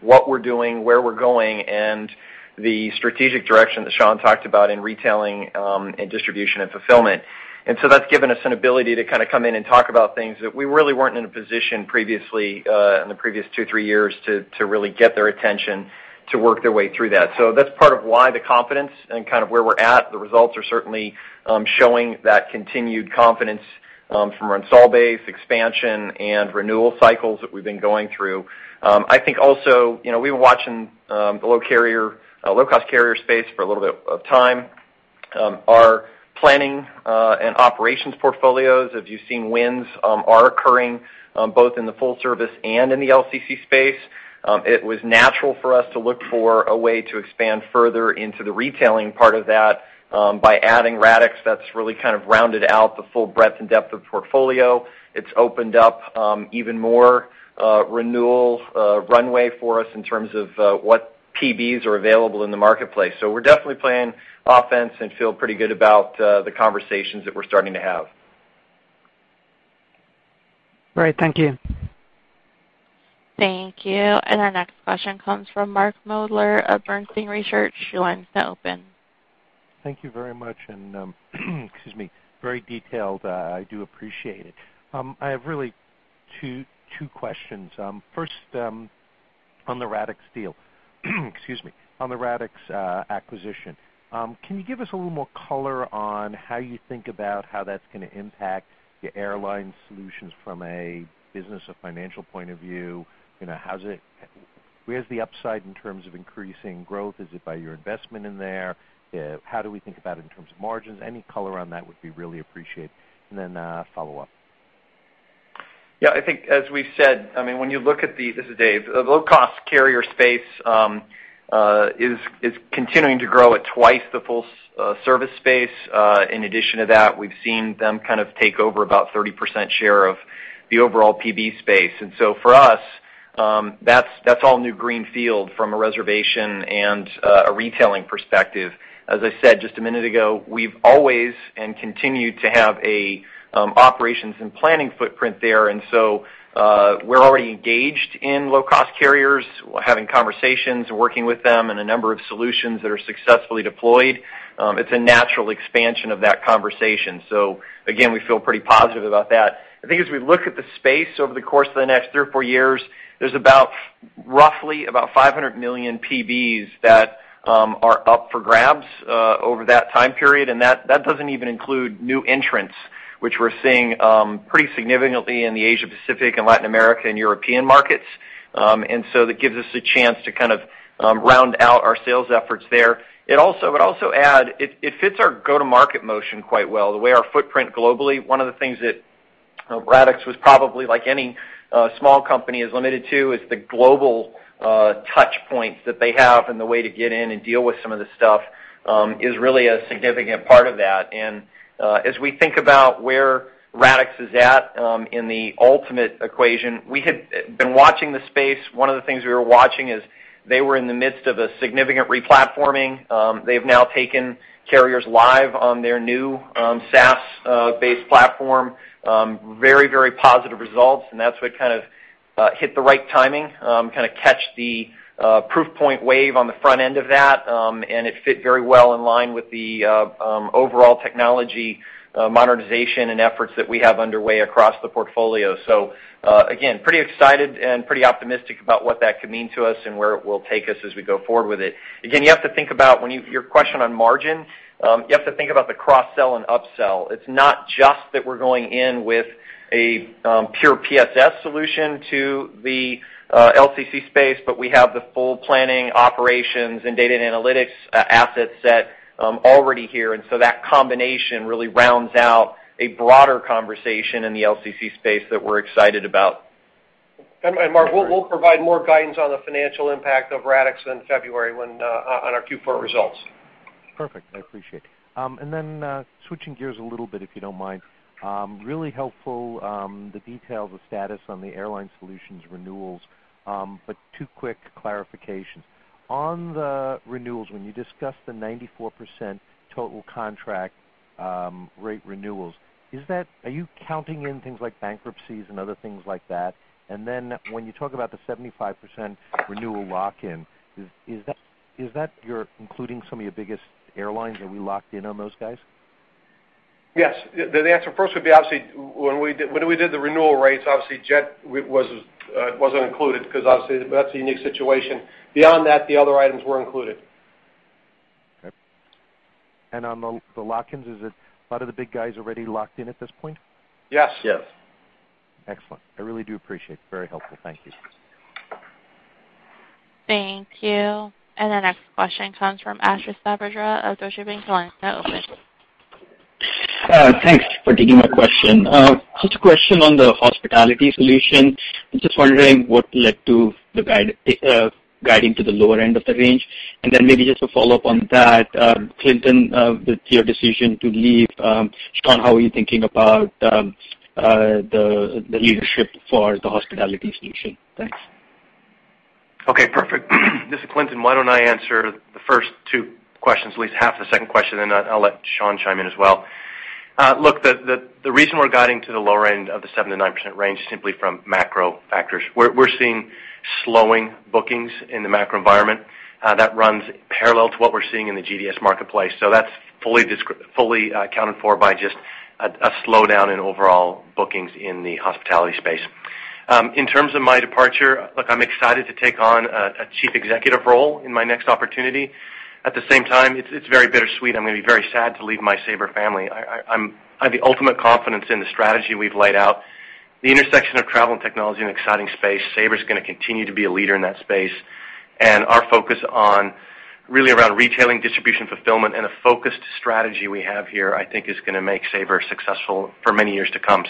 Speaker 6: what we're doing, where we're going, and the strategic direction that Sean talked about in retailing and distribution and fulfillment. That's given us an ability to kind of come in and talk about things that we really weren't in a position previously, in the previous two, three years to really get their attention to work their way through that. That's part of why the confidence and kind of where we're at. The results are certainly showing that continued confidence from an install base, expansion, and renewal cycles that we've been going through. I think also, we've been watching the low-cost carrier space for a little bit of time. Our planning and operations portfolios, as you've seen, wins are occurring both in the full service and in the LCC space. It was natural for us to look for a way to expand further into the retailing part of that by adding Radixx. That's really kind of rounded out the full breadth and depth of the portfolio. It's opened up even more renewal runway for us in terms of what PBs are available in the marketplace. We're definitely playing offense and feel pretty good about the conversations that we're starting to have.
Speaker 5: Great. Thank you.
Speaker 1: Thank you. Our next question comes from Mark Moerdler of Bernstein. Your line is now open.
Speaker 7: Thank you very much, excuse me, very detailed. I do appreciate it. I have really two questions. First, on the Radixx deal. Excuse me. On the Radixx acquisition. Can you give us a little more color on how you think about how that's going to impact your Airline Solutions from a business or financial point of view? Where's the upside in terms of increasing growth? Is it by your investment in there? How do we think about it in terms of margins? Any color on that would be really appreciated. A follow-up.
Speaker 6: Yeah, I think as we said, when you look at this is Dave, the low-cost carrier space is continuing to grow at twice the full service space. In addition to that, we've seen them kind of take over about 30% share of the overall PB space. For us, that's all new green field from a reservation and a retailing perspective. As I said just a minute ago, we've always, and continue to have a operations and planning footprint there. We're already engaged in low-cost carriers, having conversations and working with them, and a number of solutions that are successfully deployed. It's a natural expansion of that conversation. Again, we feel pretty positive about that. I think as we look at the space over the course of the next three or four years, there's roughly about 500 million PBs that are up for grabs over that time period. That doesn't even include new entrants, which we're seeing pretty significantly in the Asia-Pacific and Latin America and European markets. That gives us a chance to kind of round out our sales efforts there. I would also add, it fits our go-to-market motion quite well, the way our footprint globally, one of the things that Radixx was probably like any small company is limited to is the global touch points that they have and the way to get in and deal with some of the stuff, is really a significant part of that. As we think about where Radixx is at in the ultimate equation, we had been watching the space. One of the things we were watching is they were in the midst of a significant re-platforming. They've now taken carriers live on their new SaaS-based platform. Very, very positive results. That's what kind of hit the right timing, kind of catch the proof point wave on the front end of that, and it fit very well in line with the overall technology monetization and efforts that we have underway across the portfolio. Again, pretty excited and pretty optimistic about what that could mean to us and where it will take us as we go forward with it. Again, your question on margin, you have to think about the cross-sell and up-sell. It's not just that we're going in with a pure PSS solution to the LCC space, but we have the full planning operations and data and analytics asset set already here. That combination really rounds out a broader conversation in the LCC space that we're excited about.
Speaker 3: Mark, we'll provide more guidance on the financial impact of Radixx in February on our Q4 results.
Speaker 7: Perfect. I appreciate it. Then, switching gears a little bit, if you don't mind. Really helpful, the details of status on the Airline Solutions renewals, but two quick clarifications. On the renewals, when you discussed the 94% total contract rate renewals, are you counting in things like bankruptcies and other things like that? Then when you talk about the 75% renewal lock-in, is that you're including some of your biggest airlines? Are we locked in on those guys?
Speaker 4: Yes. The answer first would be obviously when we did the renewal rates, obviously Jet wasn't included because obviously that's a unique situation. Beyond that, the other items were included.
Speaker 7: Okay. On the lock-ins, is it a lot of the big guys already locked in at this point?
Speaker 4: Yes.
Speaker 3: Yes.
Speaker 7: Excellent. I really do appreciate it. Very helpful. Thank you.
Speaker 1: Thank you. The next question comes from Ashish Sabadra of Deutsche Bank. The line is now open.
Speaker 8: Thanks for taking my question. Just a question on the Hospitality Solutions. I'm just wondering what led to the guiding to the lower end of the range. Maybe just a follow-up on that, Clinton, with your decision to leave, Sean, how are you thinking about the leadership for the Hospitality Solutions? Thanks.
Speaker 9: Okay, perfect. This is Clinton. Why don't I answer the first two questions, at least half the second question, and then I'll let Sean chime in as well. Look, the reason we're guiding to the lower end of the 7%-9% range is simply from macro factors. We're seeing slowing bookings in the macro environment. That runs parallel to what we're seeing in the GDS marketplace. That's fully accounted for by just a slowdown in overall bookings in the hospitality space. In terms of my departure, look, I'm excited to take on a chief executive role in my next opportunity. At the same time, it's very bittersweet. I'm going to be very sad to leave my Sabre family. I have the ultimate confidence in the strategy we've laid out. The intersection of travel and technology is an exciting space. Sabre is going to continue to be a leader in that space, and our focus on really around retailing, distribution, fulfillment, and a focused strategy we have here, I think is going to make Sabre successful for many years to come.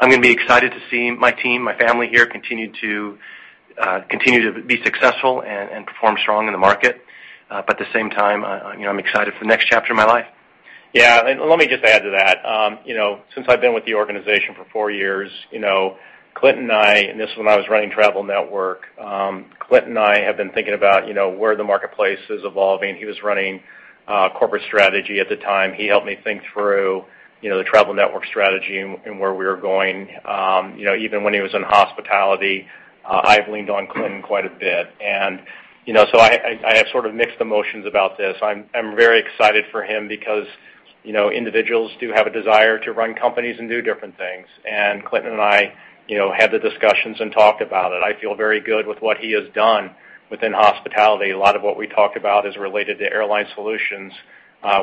Speaker 9: I'm going to be excited to see my team, my family here, continue to be successful and perform strong in the market. At the same time, I'm excited for the next chapter of my life.
Speaker 3: Let me just add to that. Since I've been with the organization for four years, and this is when I was running Travel Network, Clinton and I have been thinking about where the marketplace is evolving. He was running corporate strategy at the time. He helped me think through the Travel Network strategy and where we were going. Even when he was in Hospitality, I've leaned on Clinton quite a bit. I have sort of mixed emotions about this. I'm very excited for him because individuals do have a desire to run companies and do different things. Clinton and I had the discussions and talked about it. I feel very good with what he has done within Hospitality. A lot of what we talked about is related to Airline Solutions.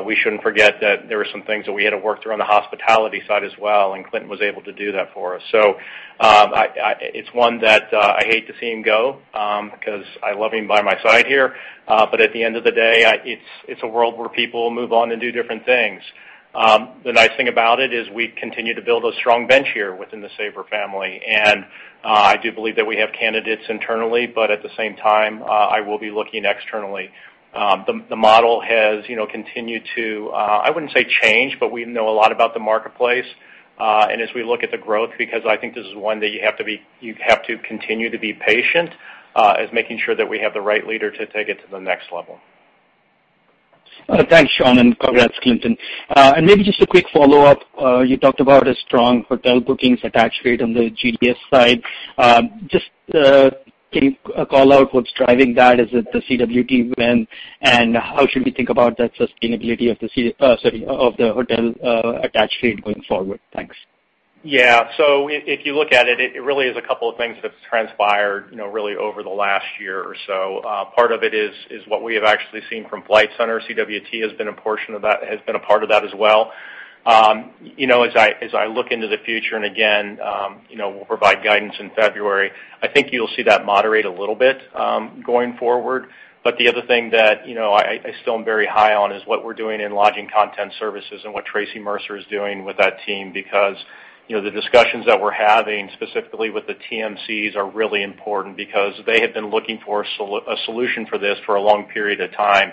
Speaker 3: We shouldn't forget that there were some things that we had to work through on the Hospitality side as well, and Clinton Anderson was able to do that for us. It's one that I hate to see him go because I love him by my side here. At the end of the day, it's a world where people move on and do different things. The nice thing about it is we continue to build a strong bench here within the Sabre family, and I do believe that we have candidates internally, but at the same time, I will be looking externally. The model has continued to, I wouldn't say change, but we know a lot about the marketplace. As we look at the growth, because I think this is one that you have to continue to be patient, is making sure that we have the right leader to take it to the next level.
Speaker 8: Thanks, Sean, congrats, Clinton. Maybe just a quick follow-up. You talked about a strong hotel bookings attach rate on the GDS side. Can you call out what's driving that? Is it the CWT win, and how should we think about that sustainability of the hotel attach rate going forward? Thanks.
Speaker 3: Yeah. If you look at it really is a couple of things that's transpired really over the last year or so. Part of it is what we have actually seen from Flight Centre. CWT has been a part of that as well. As I look into the future, again, we'll provide guidance in February, I think you'll see that moderate a little bit, going forward. The other thing that I still am very high on is what we're doing in Lodging Content Services and what Traci Mercer is doing with that team because the discussions that we're having specifically with the TMCs are really important because they have been looking for a solution for this for a long period of time.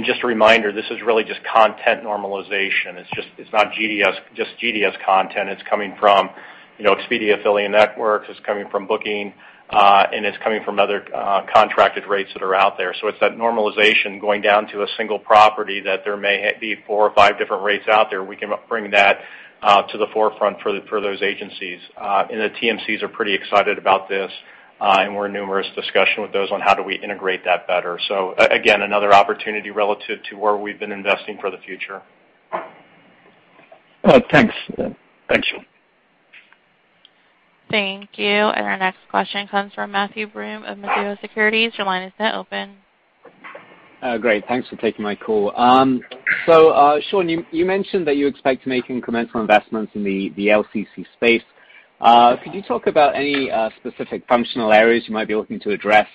Speaker 3: Just a reminder, this is really just content normalization. It's not just GDS content. It's coming from Expedia Affiliate Network, it's coming from booking, and it's coming from other contracted rates that are out there. It's that normalization going down to a single property that there may be four or five different rates out there. We can bring that to the forefront for those agencies. The TMCs are pretty excited about this, and we're in numerous discussion with those on how do we integrate that better. Again, another opportunity relative to where we've been investing for the future.
Speaker 8: Well, thanks. Thank you.
Speaker 1: Thank you. Our next question comes from Matthew Broome of Mizuho Securities. Your line is now open.
Speaker 10: Great. Thanks for taking my call. Sean, you mentioned that you expect to make incremental investments in the LCC space. Could you talk about any specific functional areas you might be looking to address?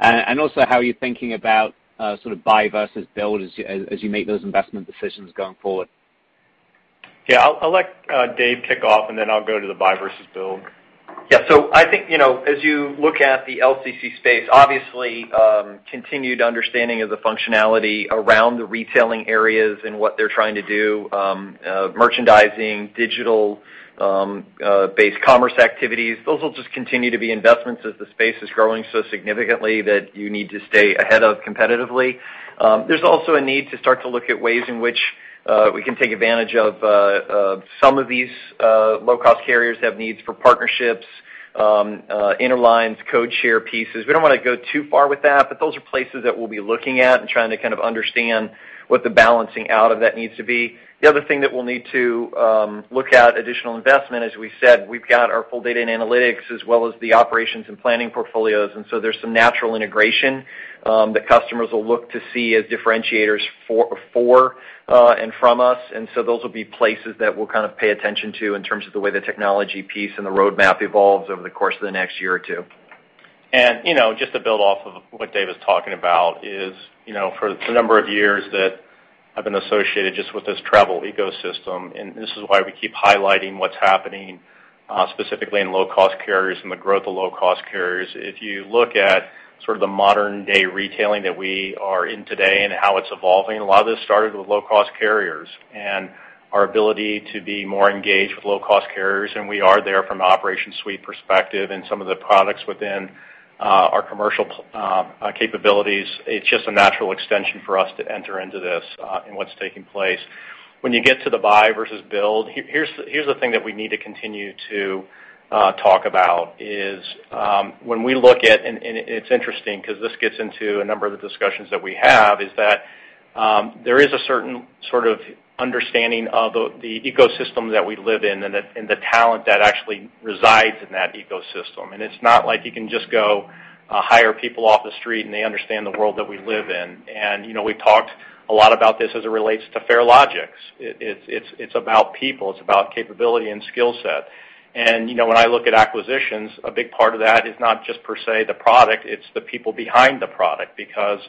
Speaker 10: Also how you're thinking about sort of buy versus build as you make those investment decisions going forward?
Speaker 3: Yeah. I'll let Dave kick off and then I'll go to the buy versus build.
Speaker 6: Yeah. I think, as you look at the LCC space, obviously, continued understanding of the functionality around the retailing areas and what they're trying to do, merchandising, digital-based commerce activities, those will just continue to be investments as the space is growing so significantly that you need to stay ahead of competitively. There's also a need to start to look at ways in which we can take advantage of some of these low-cost carriers that have needs for partnerships, interlines, code share pieces. We don't want to go too far with that, but those are places that we'll be looking at and trying to kind of understand what the balancing out of that needs to be. The other thing that we'll need to look at additional investment, as we said, we've got our full data and analytics as well as the operations and planning portfolios. There's some natural integration that customers will look to see as differentiators for and from us, and so those will be places that we'll kind of pay attention to in terms of the way the technology piece and the roadmap evolves over the course of the next year or two.
Speaker 3: Just to build off of what Dave was talking about is, for the number of years that I've been associated just with this travel ecosystem, this is why we keep highlighting what's happening, specifically in low-cost carriers and the growth of low-cost carriers. If you look at sort of the modern-day retailing that we are in today and how it's evolving, a lot of this started with low-cost carriers and our ability to be more engaged with low-cost carriers, and we are there from an operation suite perspective and some of the products within our commercial capabilities. It's just a natural extension for us to enter into this, in what's taking place. When you get to the buy versus build, here's the thing that we need to continue to talk about is, it's interesting because this gets into a number of the discussions that we have, is that there is a certain sort of understanding of the ecosystem that we live in and the talent that actually resides in that ecosystem. It's not like you can just go hire people off the street, and they understand the world that we live in. We talked a lot about this as it relates to Farelogix. It's about people. It's about capability and skill set. When I look at acquisitions, a big part of that is not just per se the product, it's the people behind the product because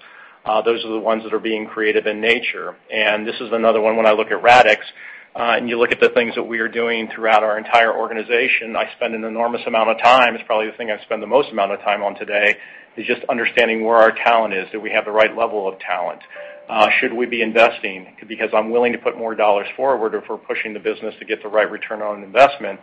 Speaker 3: those are the ones that are being creative in nature. This is another one when I look at Radixx, and you look at the things that we are doing throughout our entire organization. I spend an enormous amount of time. It's probably the thing I spend the most amount of time on today, is just understanding where our talent is. Do we have the right level of talent? Should we be investing? I'm willing to put more dollars forward if we're pushing the business to get the right return on investment.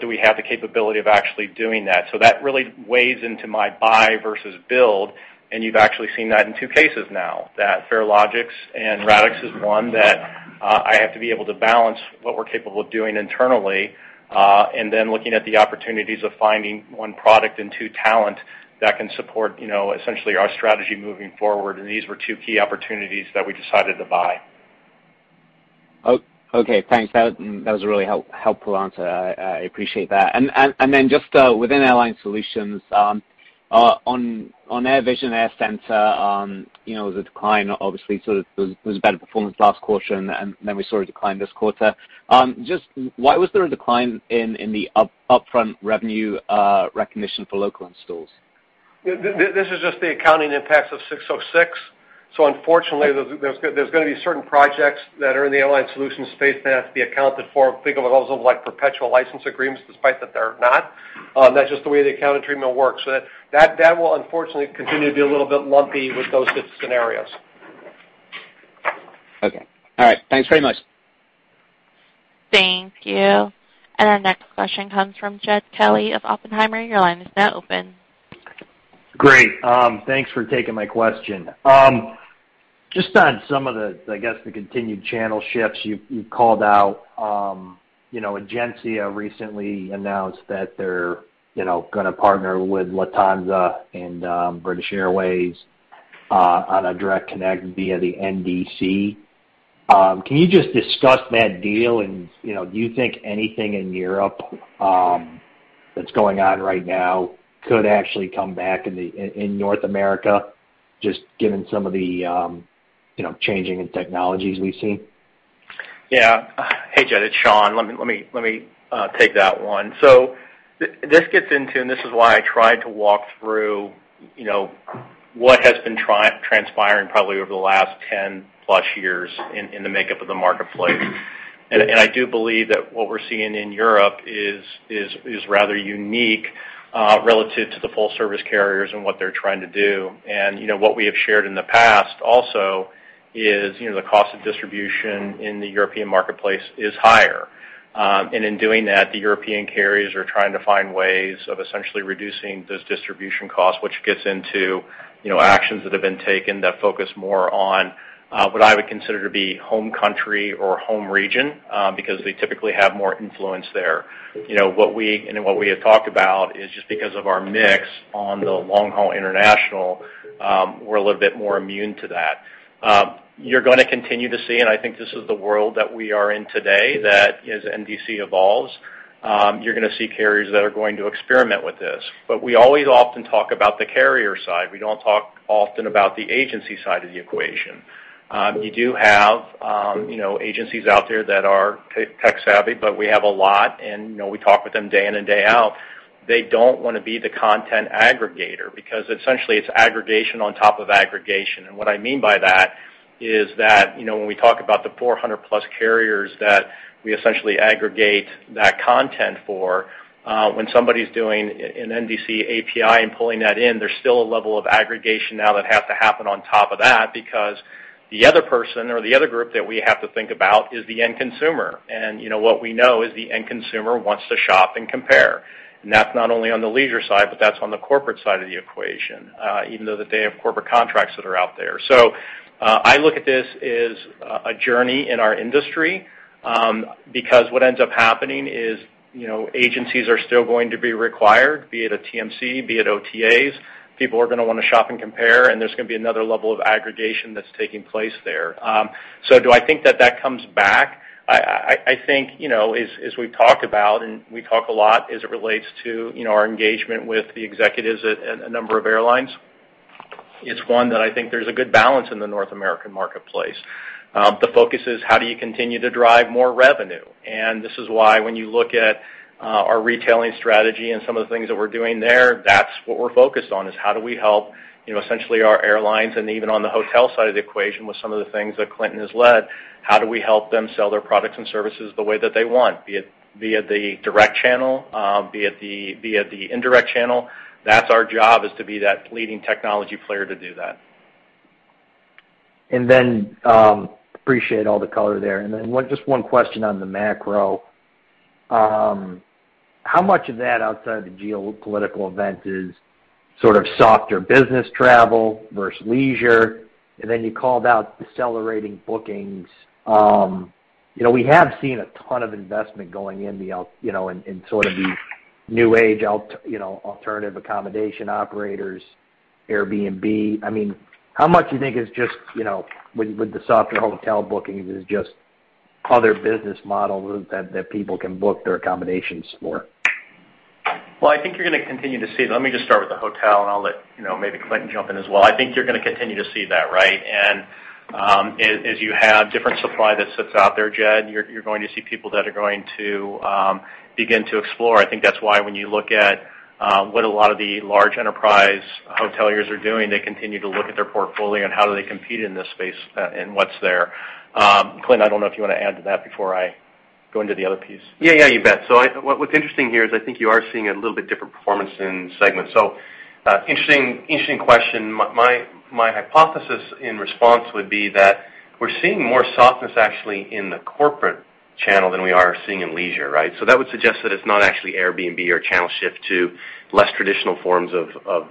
Speaker 3: Do we have the capability of actually doing that? That really weighs into my buy versus build, and you've actually seen that in two cases now, that Farelogix and Radixx is one that I have to be able to balance what we're capable of doing internally, and then looking at the opportunities of finding one product and two talent that can support essentially our strategy moving forward, and these were two key opportunities that we decided to buy.
Speaker 10: Okay. Thanks. That was a really helpful answer. I appreciate that. Just within Airline Solutions, on AirVision, AirCentre, the decline obviously sort of was better performance last quarter, and then we saw a decline this quarter. Just why was there a decline in the upfront revenue recognition for local installs?
Speaker 4: This is just the accounting impacts of ASC 606. Unfortunately, there's going to be certain projects that are in the Airline Solutions space that have to be accounted for. Think of those as like perpetual license agreements, despite that they're not. That's just the way the accounting treatment works. That will unfortunately continue to be a little bit lumpy with those types of scenarios.
Speaker 10: Okay. All right. Thanks very much.
Speaker 1: Thank you. Our next question comes from Jed Kelly of Oppenheimer. Your line is now open.
Speaker 11: Great. Thanks for taking my question. Just on some of the, I guess, the continued channel shifts you've called out. Egencia recently announced that they're going to partner with Lufthansa and British Airways on a direct connect via the NDC. Can you just discuss that deal and do you think anything in Europe that's going on right now could actually come back in North America, just given some of the changing in technologies we've seen?
Speaker 3: Yeah. Hey, Jed, it's Sean. Let me take that one. This gets into, and this is why I tried to walk through what has been transpiring probably over the last 10+ years in the makeup of the marketplace. I do believe that what we're seeing in Europe is rather unique relative to the full-service carriers and what they're trying to do. What we have shared in the past also is the cost of distribution in the European marketplace is higher. In doing that, the European carriers are trying to find ways of essentially reducing those distribution costs, which gets into actions that have been taken that focus more on what I would consider to be home country or home region because they typically have more influence there. What we had talked about is just because of our mix on the long-haul international, we're a little bit more immune to that. You're going to continue to see, and I think this is the world that we are in today, that as NDC evolves, you're going to see carriers that are going to experiment with this. We always often talk about the carrier side. We don't talk often about the agency side of the equation. You do have agencies out there that are tech savvy, but we have a lot, and we talk with them day in and day out. They don't want to be the content aggregator because essentially it's aggregation on top of aggregation. What I mean by that is that when we talk about the 400+ carriers that we essentially aggregate that content for, when somebody's doing an NDC API and pulling that in, there's still a level of aggregation now that has to happen on top of that because the other person or the other group that we have to think about is the end consumer. What we know is the end consumer wants to shop and compare. That's not only on the leisure side, but that's on the corporate side of the equation, even though they have corporate contracts that are out there. I look at this as a journey in our industry because what ends up happening is agencies are still going to be required, be it a TMC, be it OTAs. People are going to want to shop and compare, and there's going to be another level of aggregation that's taking place there. Do I think that that comes back? I think as we talk about, and we talk a lot as it relates to our engagement with the executives at a number of airlines, it's one that I think there's a good balance in the North American marketplace. The focus is how do you continue to drive more revenue? This is why when you look at our retailing strategy and some of the things that we're doing there, that's what we're focused on, is how do we help essentially our airlines and even on the hotel side of the equation with some of the things that Clinton has led, how do we help them sell their products and services the way that they want, be it via the direct channel, be it the indirect channel? That's our job, is to be that leading technology player to do that.
Speaker 11: Appreciate all the color there. Just one question on the macro. How much of that outside the geopolitical event is sort of softer business travel versus leisure? You called out decelerating bookings. We have seen a ton of investment going in sort of these new age alternative accommodation operators, Airbnb. How much do you think with the softer hotel bookings is just other business models that people can book their accommodations for?
Speaker 3: Well, I think you're going to continue to see. Let me just start with the hotel and I'll let maybe Clinton jump in as well. I think you're going to continue to see that, right? As you have different supply that sits out there, Jed, you're going to see people that are going to begin to explore. I think that's why when you look at what a lot of the large enterprise hoteliers are doing, they continue to look at their portfolio and how do they compete in this space and what's there. Clinton, I don't know if you want to add to that before I go into the other piece.
Speaker 9: Yeah, you bet. What's interesting here is I think you are seeing a little bit different performance in segments. Interesting question. My hypothesis in response would be that we're seeing more softness actually in the corporate channel than we are seeing in leisure, right? That would suggest that it's not actually Airbnb or channel shift to less traditional forms of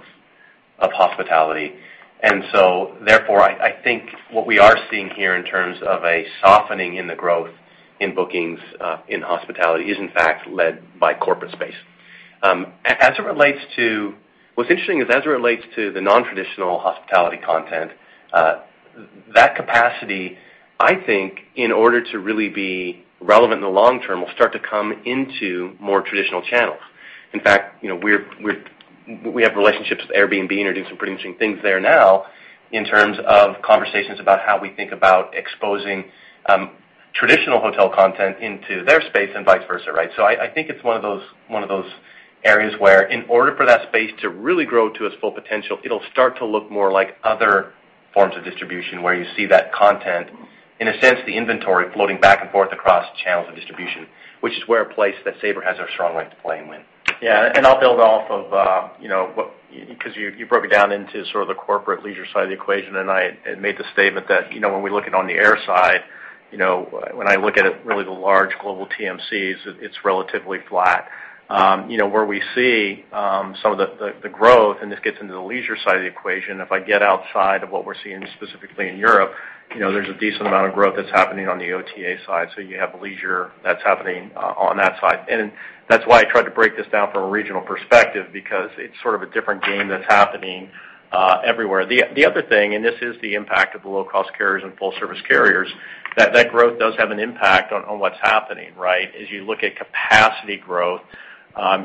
Speaker 9: hospitality. Therefore, I think what we are seeing here in terms of a softening in the growth in bookings in hospitality is in fact led by corporate space. What's interesting is as it relates to the non-traditional hospitality content, that capacity, I think in order to really be relevant in the long term, will start to come into more traditional channels. In fact, we have relationships with Airbnb and are doing some pretty interesting things there now in terms of conversations about how we think about exposing traditional hotel content into their space and vice versa, right? I think it's one of those areas where in order for that space to really grow to its full potential, it'll start to look more like other forms of distribution, where you see that content, in a sense, the inventory floating back and forth across channels of distribution, which is where a place that Sabre has a strong way to play and win.
Speaker 3: I'll build off of what you broke it down into sort of the corporate leisure side of the equation. I made the statement that when I look at really the large global TMCs, it's relatively flat. Where we see some of the growth, this gets into the leisure side of the equation, if I get outside of what we're seeing specifically in Europe, there's a decent amount of growth that's happening on the OTA side. You have leisure that's happening on that side. That's why I tried to break this down from a regional perspective, because it's sort of a different game that's happening everywhere. The other thing, this is the impact of the low-cost carriers and full-service carriers, that growth does have an impact on what's happening, right? As you look at capacity growth,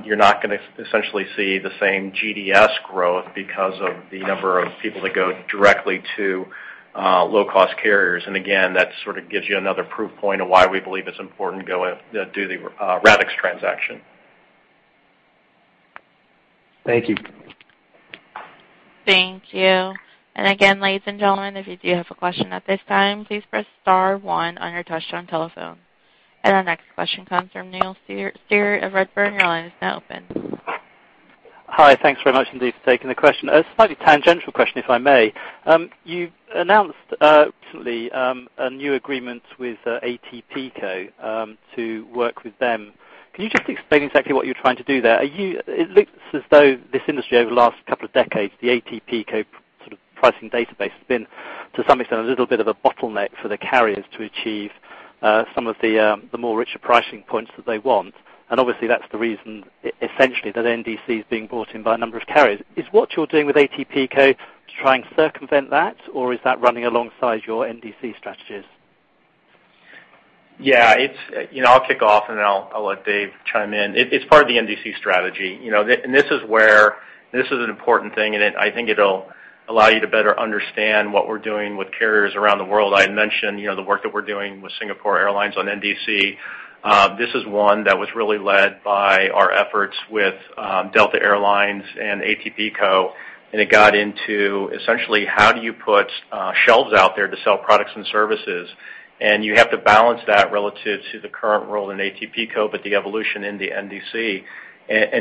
Speaker 3: you're not going to essentially see the same GDS growth because of the number of people that go directly to low-cost carriers. Again, that sort of gives you another proof point of why we believe it's important to go do the Radixx transaction.
Speaker 11: Thank you.
Speaker 1: Thank you. Again, ladies and gentlemen, if you do have a question at this time, please press star one on your touch-tone telephone. Our next question comes from Neil Steer of Redburn. Your line is now open.
Speaker 12: Hi. Thanks very much indeed for taking the question. A slightly tangential question, if I may. You announced recently a new agreement with ATPCO to work with them. Can you just explain exactly what you're trying to do there? It looks as though this industry, over the last couple of decades, the ATPCO sort of pricing database, has been, to some extent, a little bit of a bottleneck for the carriers to achieve some of the more richer pricing points that they want. Obviously, that's the reason, essentially, that NDC is being brought in by a number of carriers. Is what you're doing with ATPCO to try and circumvent that, or is that running alongside your NDC strategies?
Speaker 3: Yeah. I'll kick off, and then I'll let Dave chime in. It's part of the NDC strategy. This is an important thing, and I think it'll allow you to better understand what we're doing with carriers around the world. I had mentioned the work that we're doing with Singapore Airlines on NDC. This is one that was really led by our efforts with Delta Air Lines and ATPCO, and it got into essentially how do you put shelves out there to sell products and services? You have to balance that relative to the current role in ATPCO, but the evolution in the NDC.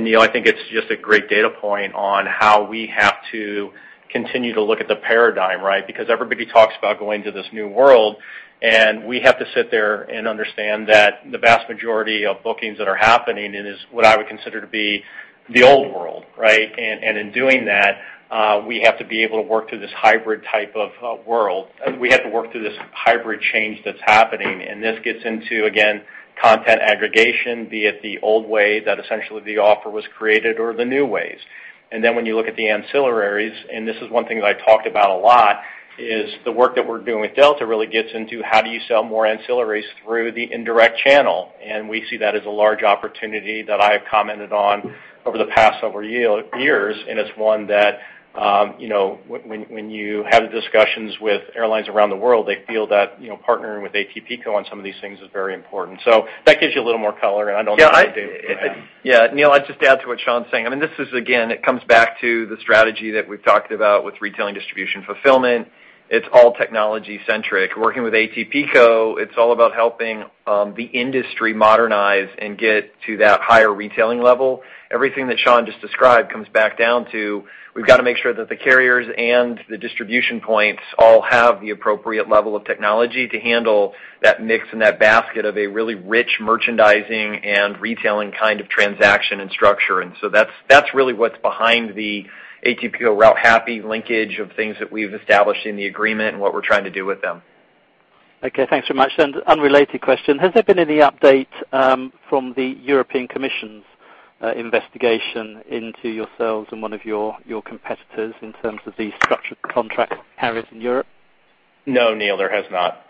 Speaker 3: Neil, I think it's just a great data point on how we have to continue to look at the paradigm, right? Because everybody talks about going to this new world, and we have to sit there and understand that the vast majority of bookings that are happening is what I would consider to be the old world, right? In doing that, we have to be able to work through this hybrid type of world. We have to work through this hybrid change that's happening. This gets into, again, content aggregation, be it the old way that essentially the offer was created or the new ways. When you look at the ancillaries, and this is one thing that I talked about a lot, is the work that we're doing with Delta really gets into how do you sell more ancillaries through the indirect channel. We see that as a large opportunity that I have commented on over the past several years. It's one that when you have discussions with airlines around the world, they feel that partnering with ATPCO on some of these things is very important. That gives you a little more color, and I don't know if Dave wants to add.
Speaker 6: Yeah, Neil, I'd just add to what Sean's saying. I mean, this is again, it comes back to the strategy that we've talked about with retailing distribution fulfillment. It's all technology-centric. Working with ATPCO, it's all about helping the industry modernize and get to that higher retailing level. Everything that Sean just described comes back down to we've got to make sure that the carriers and the distribution points all have the appropriate level of technology to handle that mix and that basket of a really rich merchandising and retailing kind of transaction and structure. That's really what's behind the ATPCO route happy linkage of things that we've established in the agreement and what we're trying to do with them.
Speaker 12: Okay, thanks very much. Unrelated question. Has there been any update from the European Commission's investigation into yourselves and one of your competitors in terms of the structured contract carriers in Europe?
Speaker 3: No, Neil, there has not.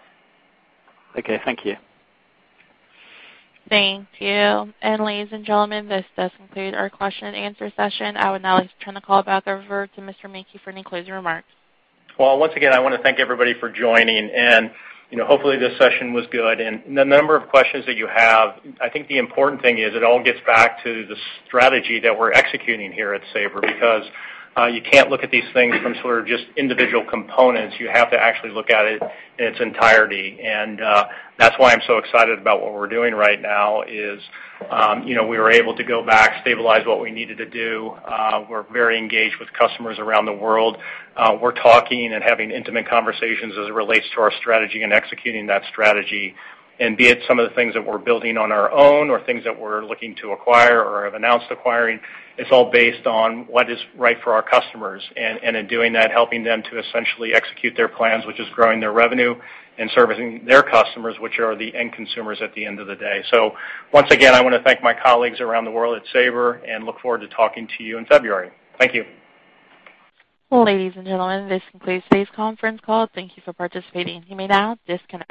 Speaker 12: Okay, thank you.
Speaker 1: Thank you. Ladies and gentlemen, this does conclude our question and answer session. I would now like to turn the call back over to Mr. Menke for any closing remarks.
Speaker 3: Well, once again, I want to thank everybody for joining, and hopefully this session was good. The number of questions that you have, I think the important thing is it all gets back to the strategy that we're executing here at Sabre, because you can't look at these things from sort of just individual components. You have to actually look at it in its entirety. That's why I'm so excited about what we're doing right now is we were able to go back, stabilize what we needed to do. We're very engaged with customers around the world. We're talking and having intimate conversations as it relates to our strategy and executing that strategy. Be it some of the things that we're building on our own or things that we're looking to acquire or have announced acquiring, it's all based on what is right for our customers. In doing that, helping them to essentially execute their plans, which is growing their revenue and servicing their customers, which are the end consumers at the end of the day. Once again, I want to thank my colleagues around the world at Sabre and look forward to talking to you in February. Thank you.
Speaker 1: Ladies and gentlemen, this concludes today's conference call. Thank you for participating. You may now disconnect.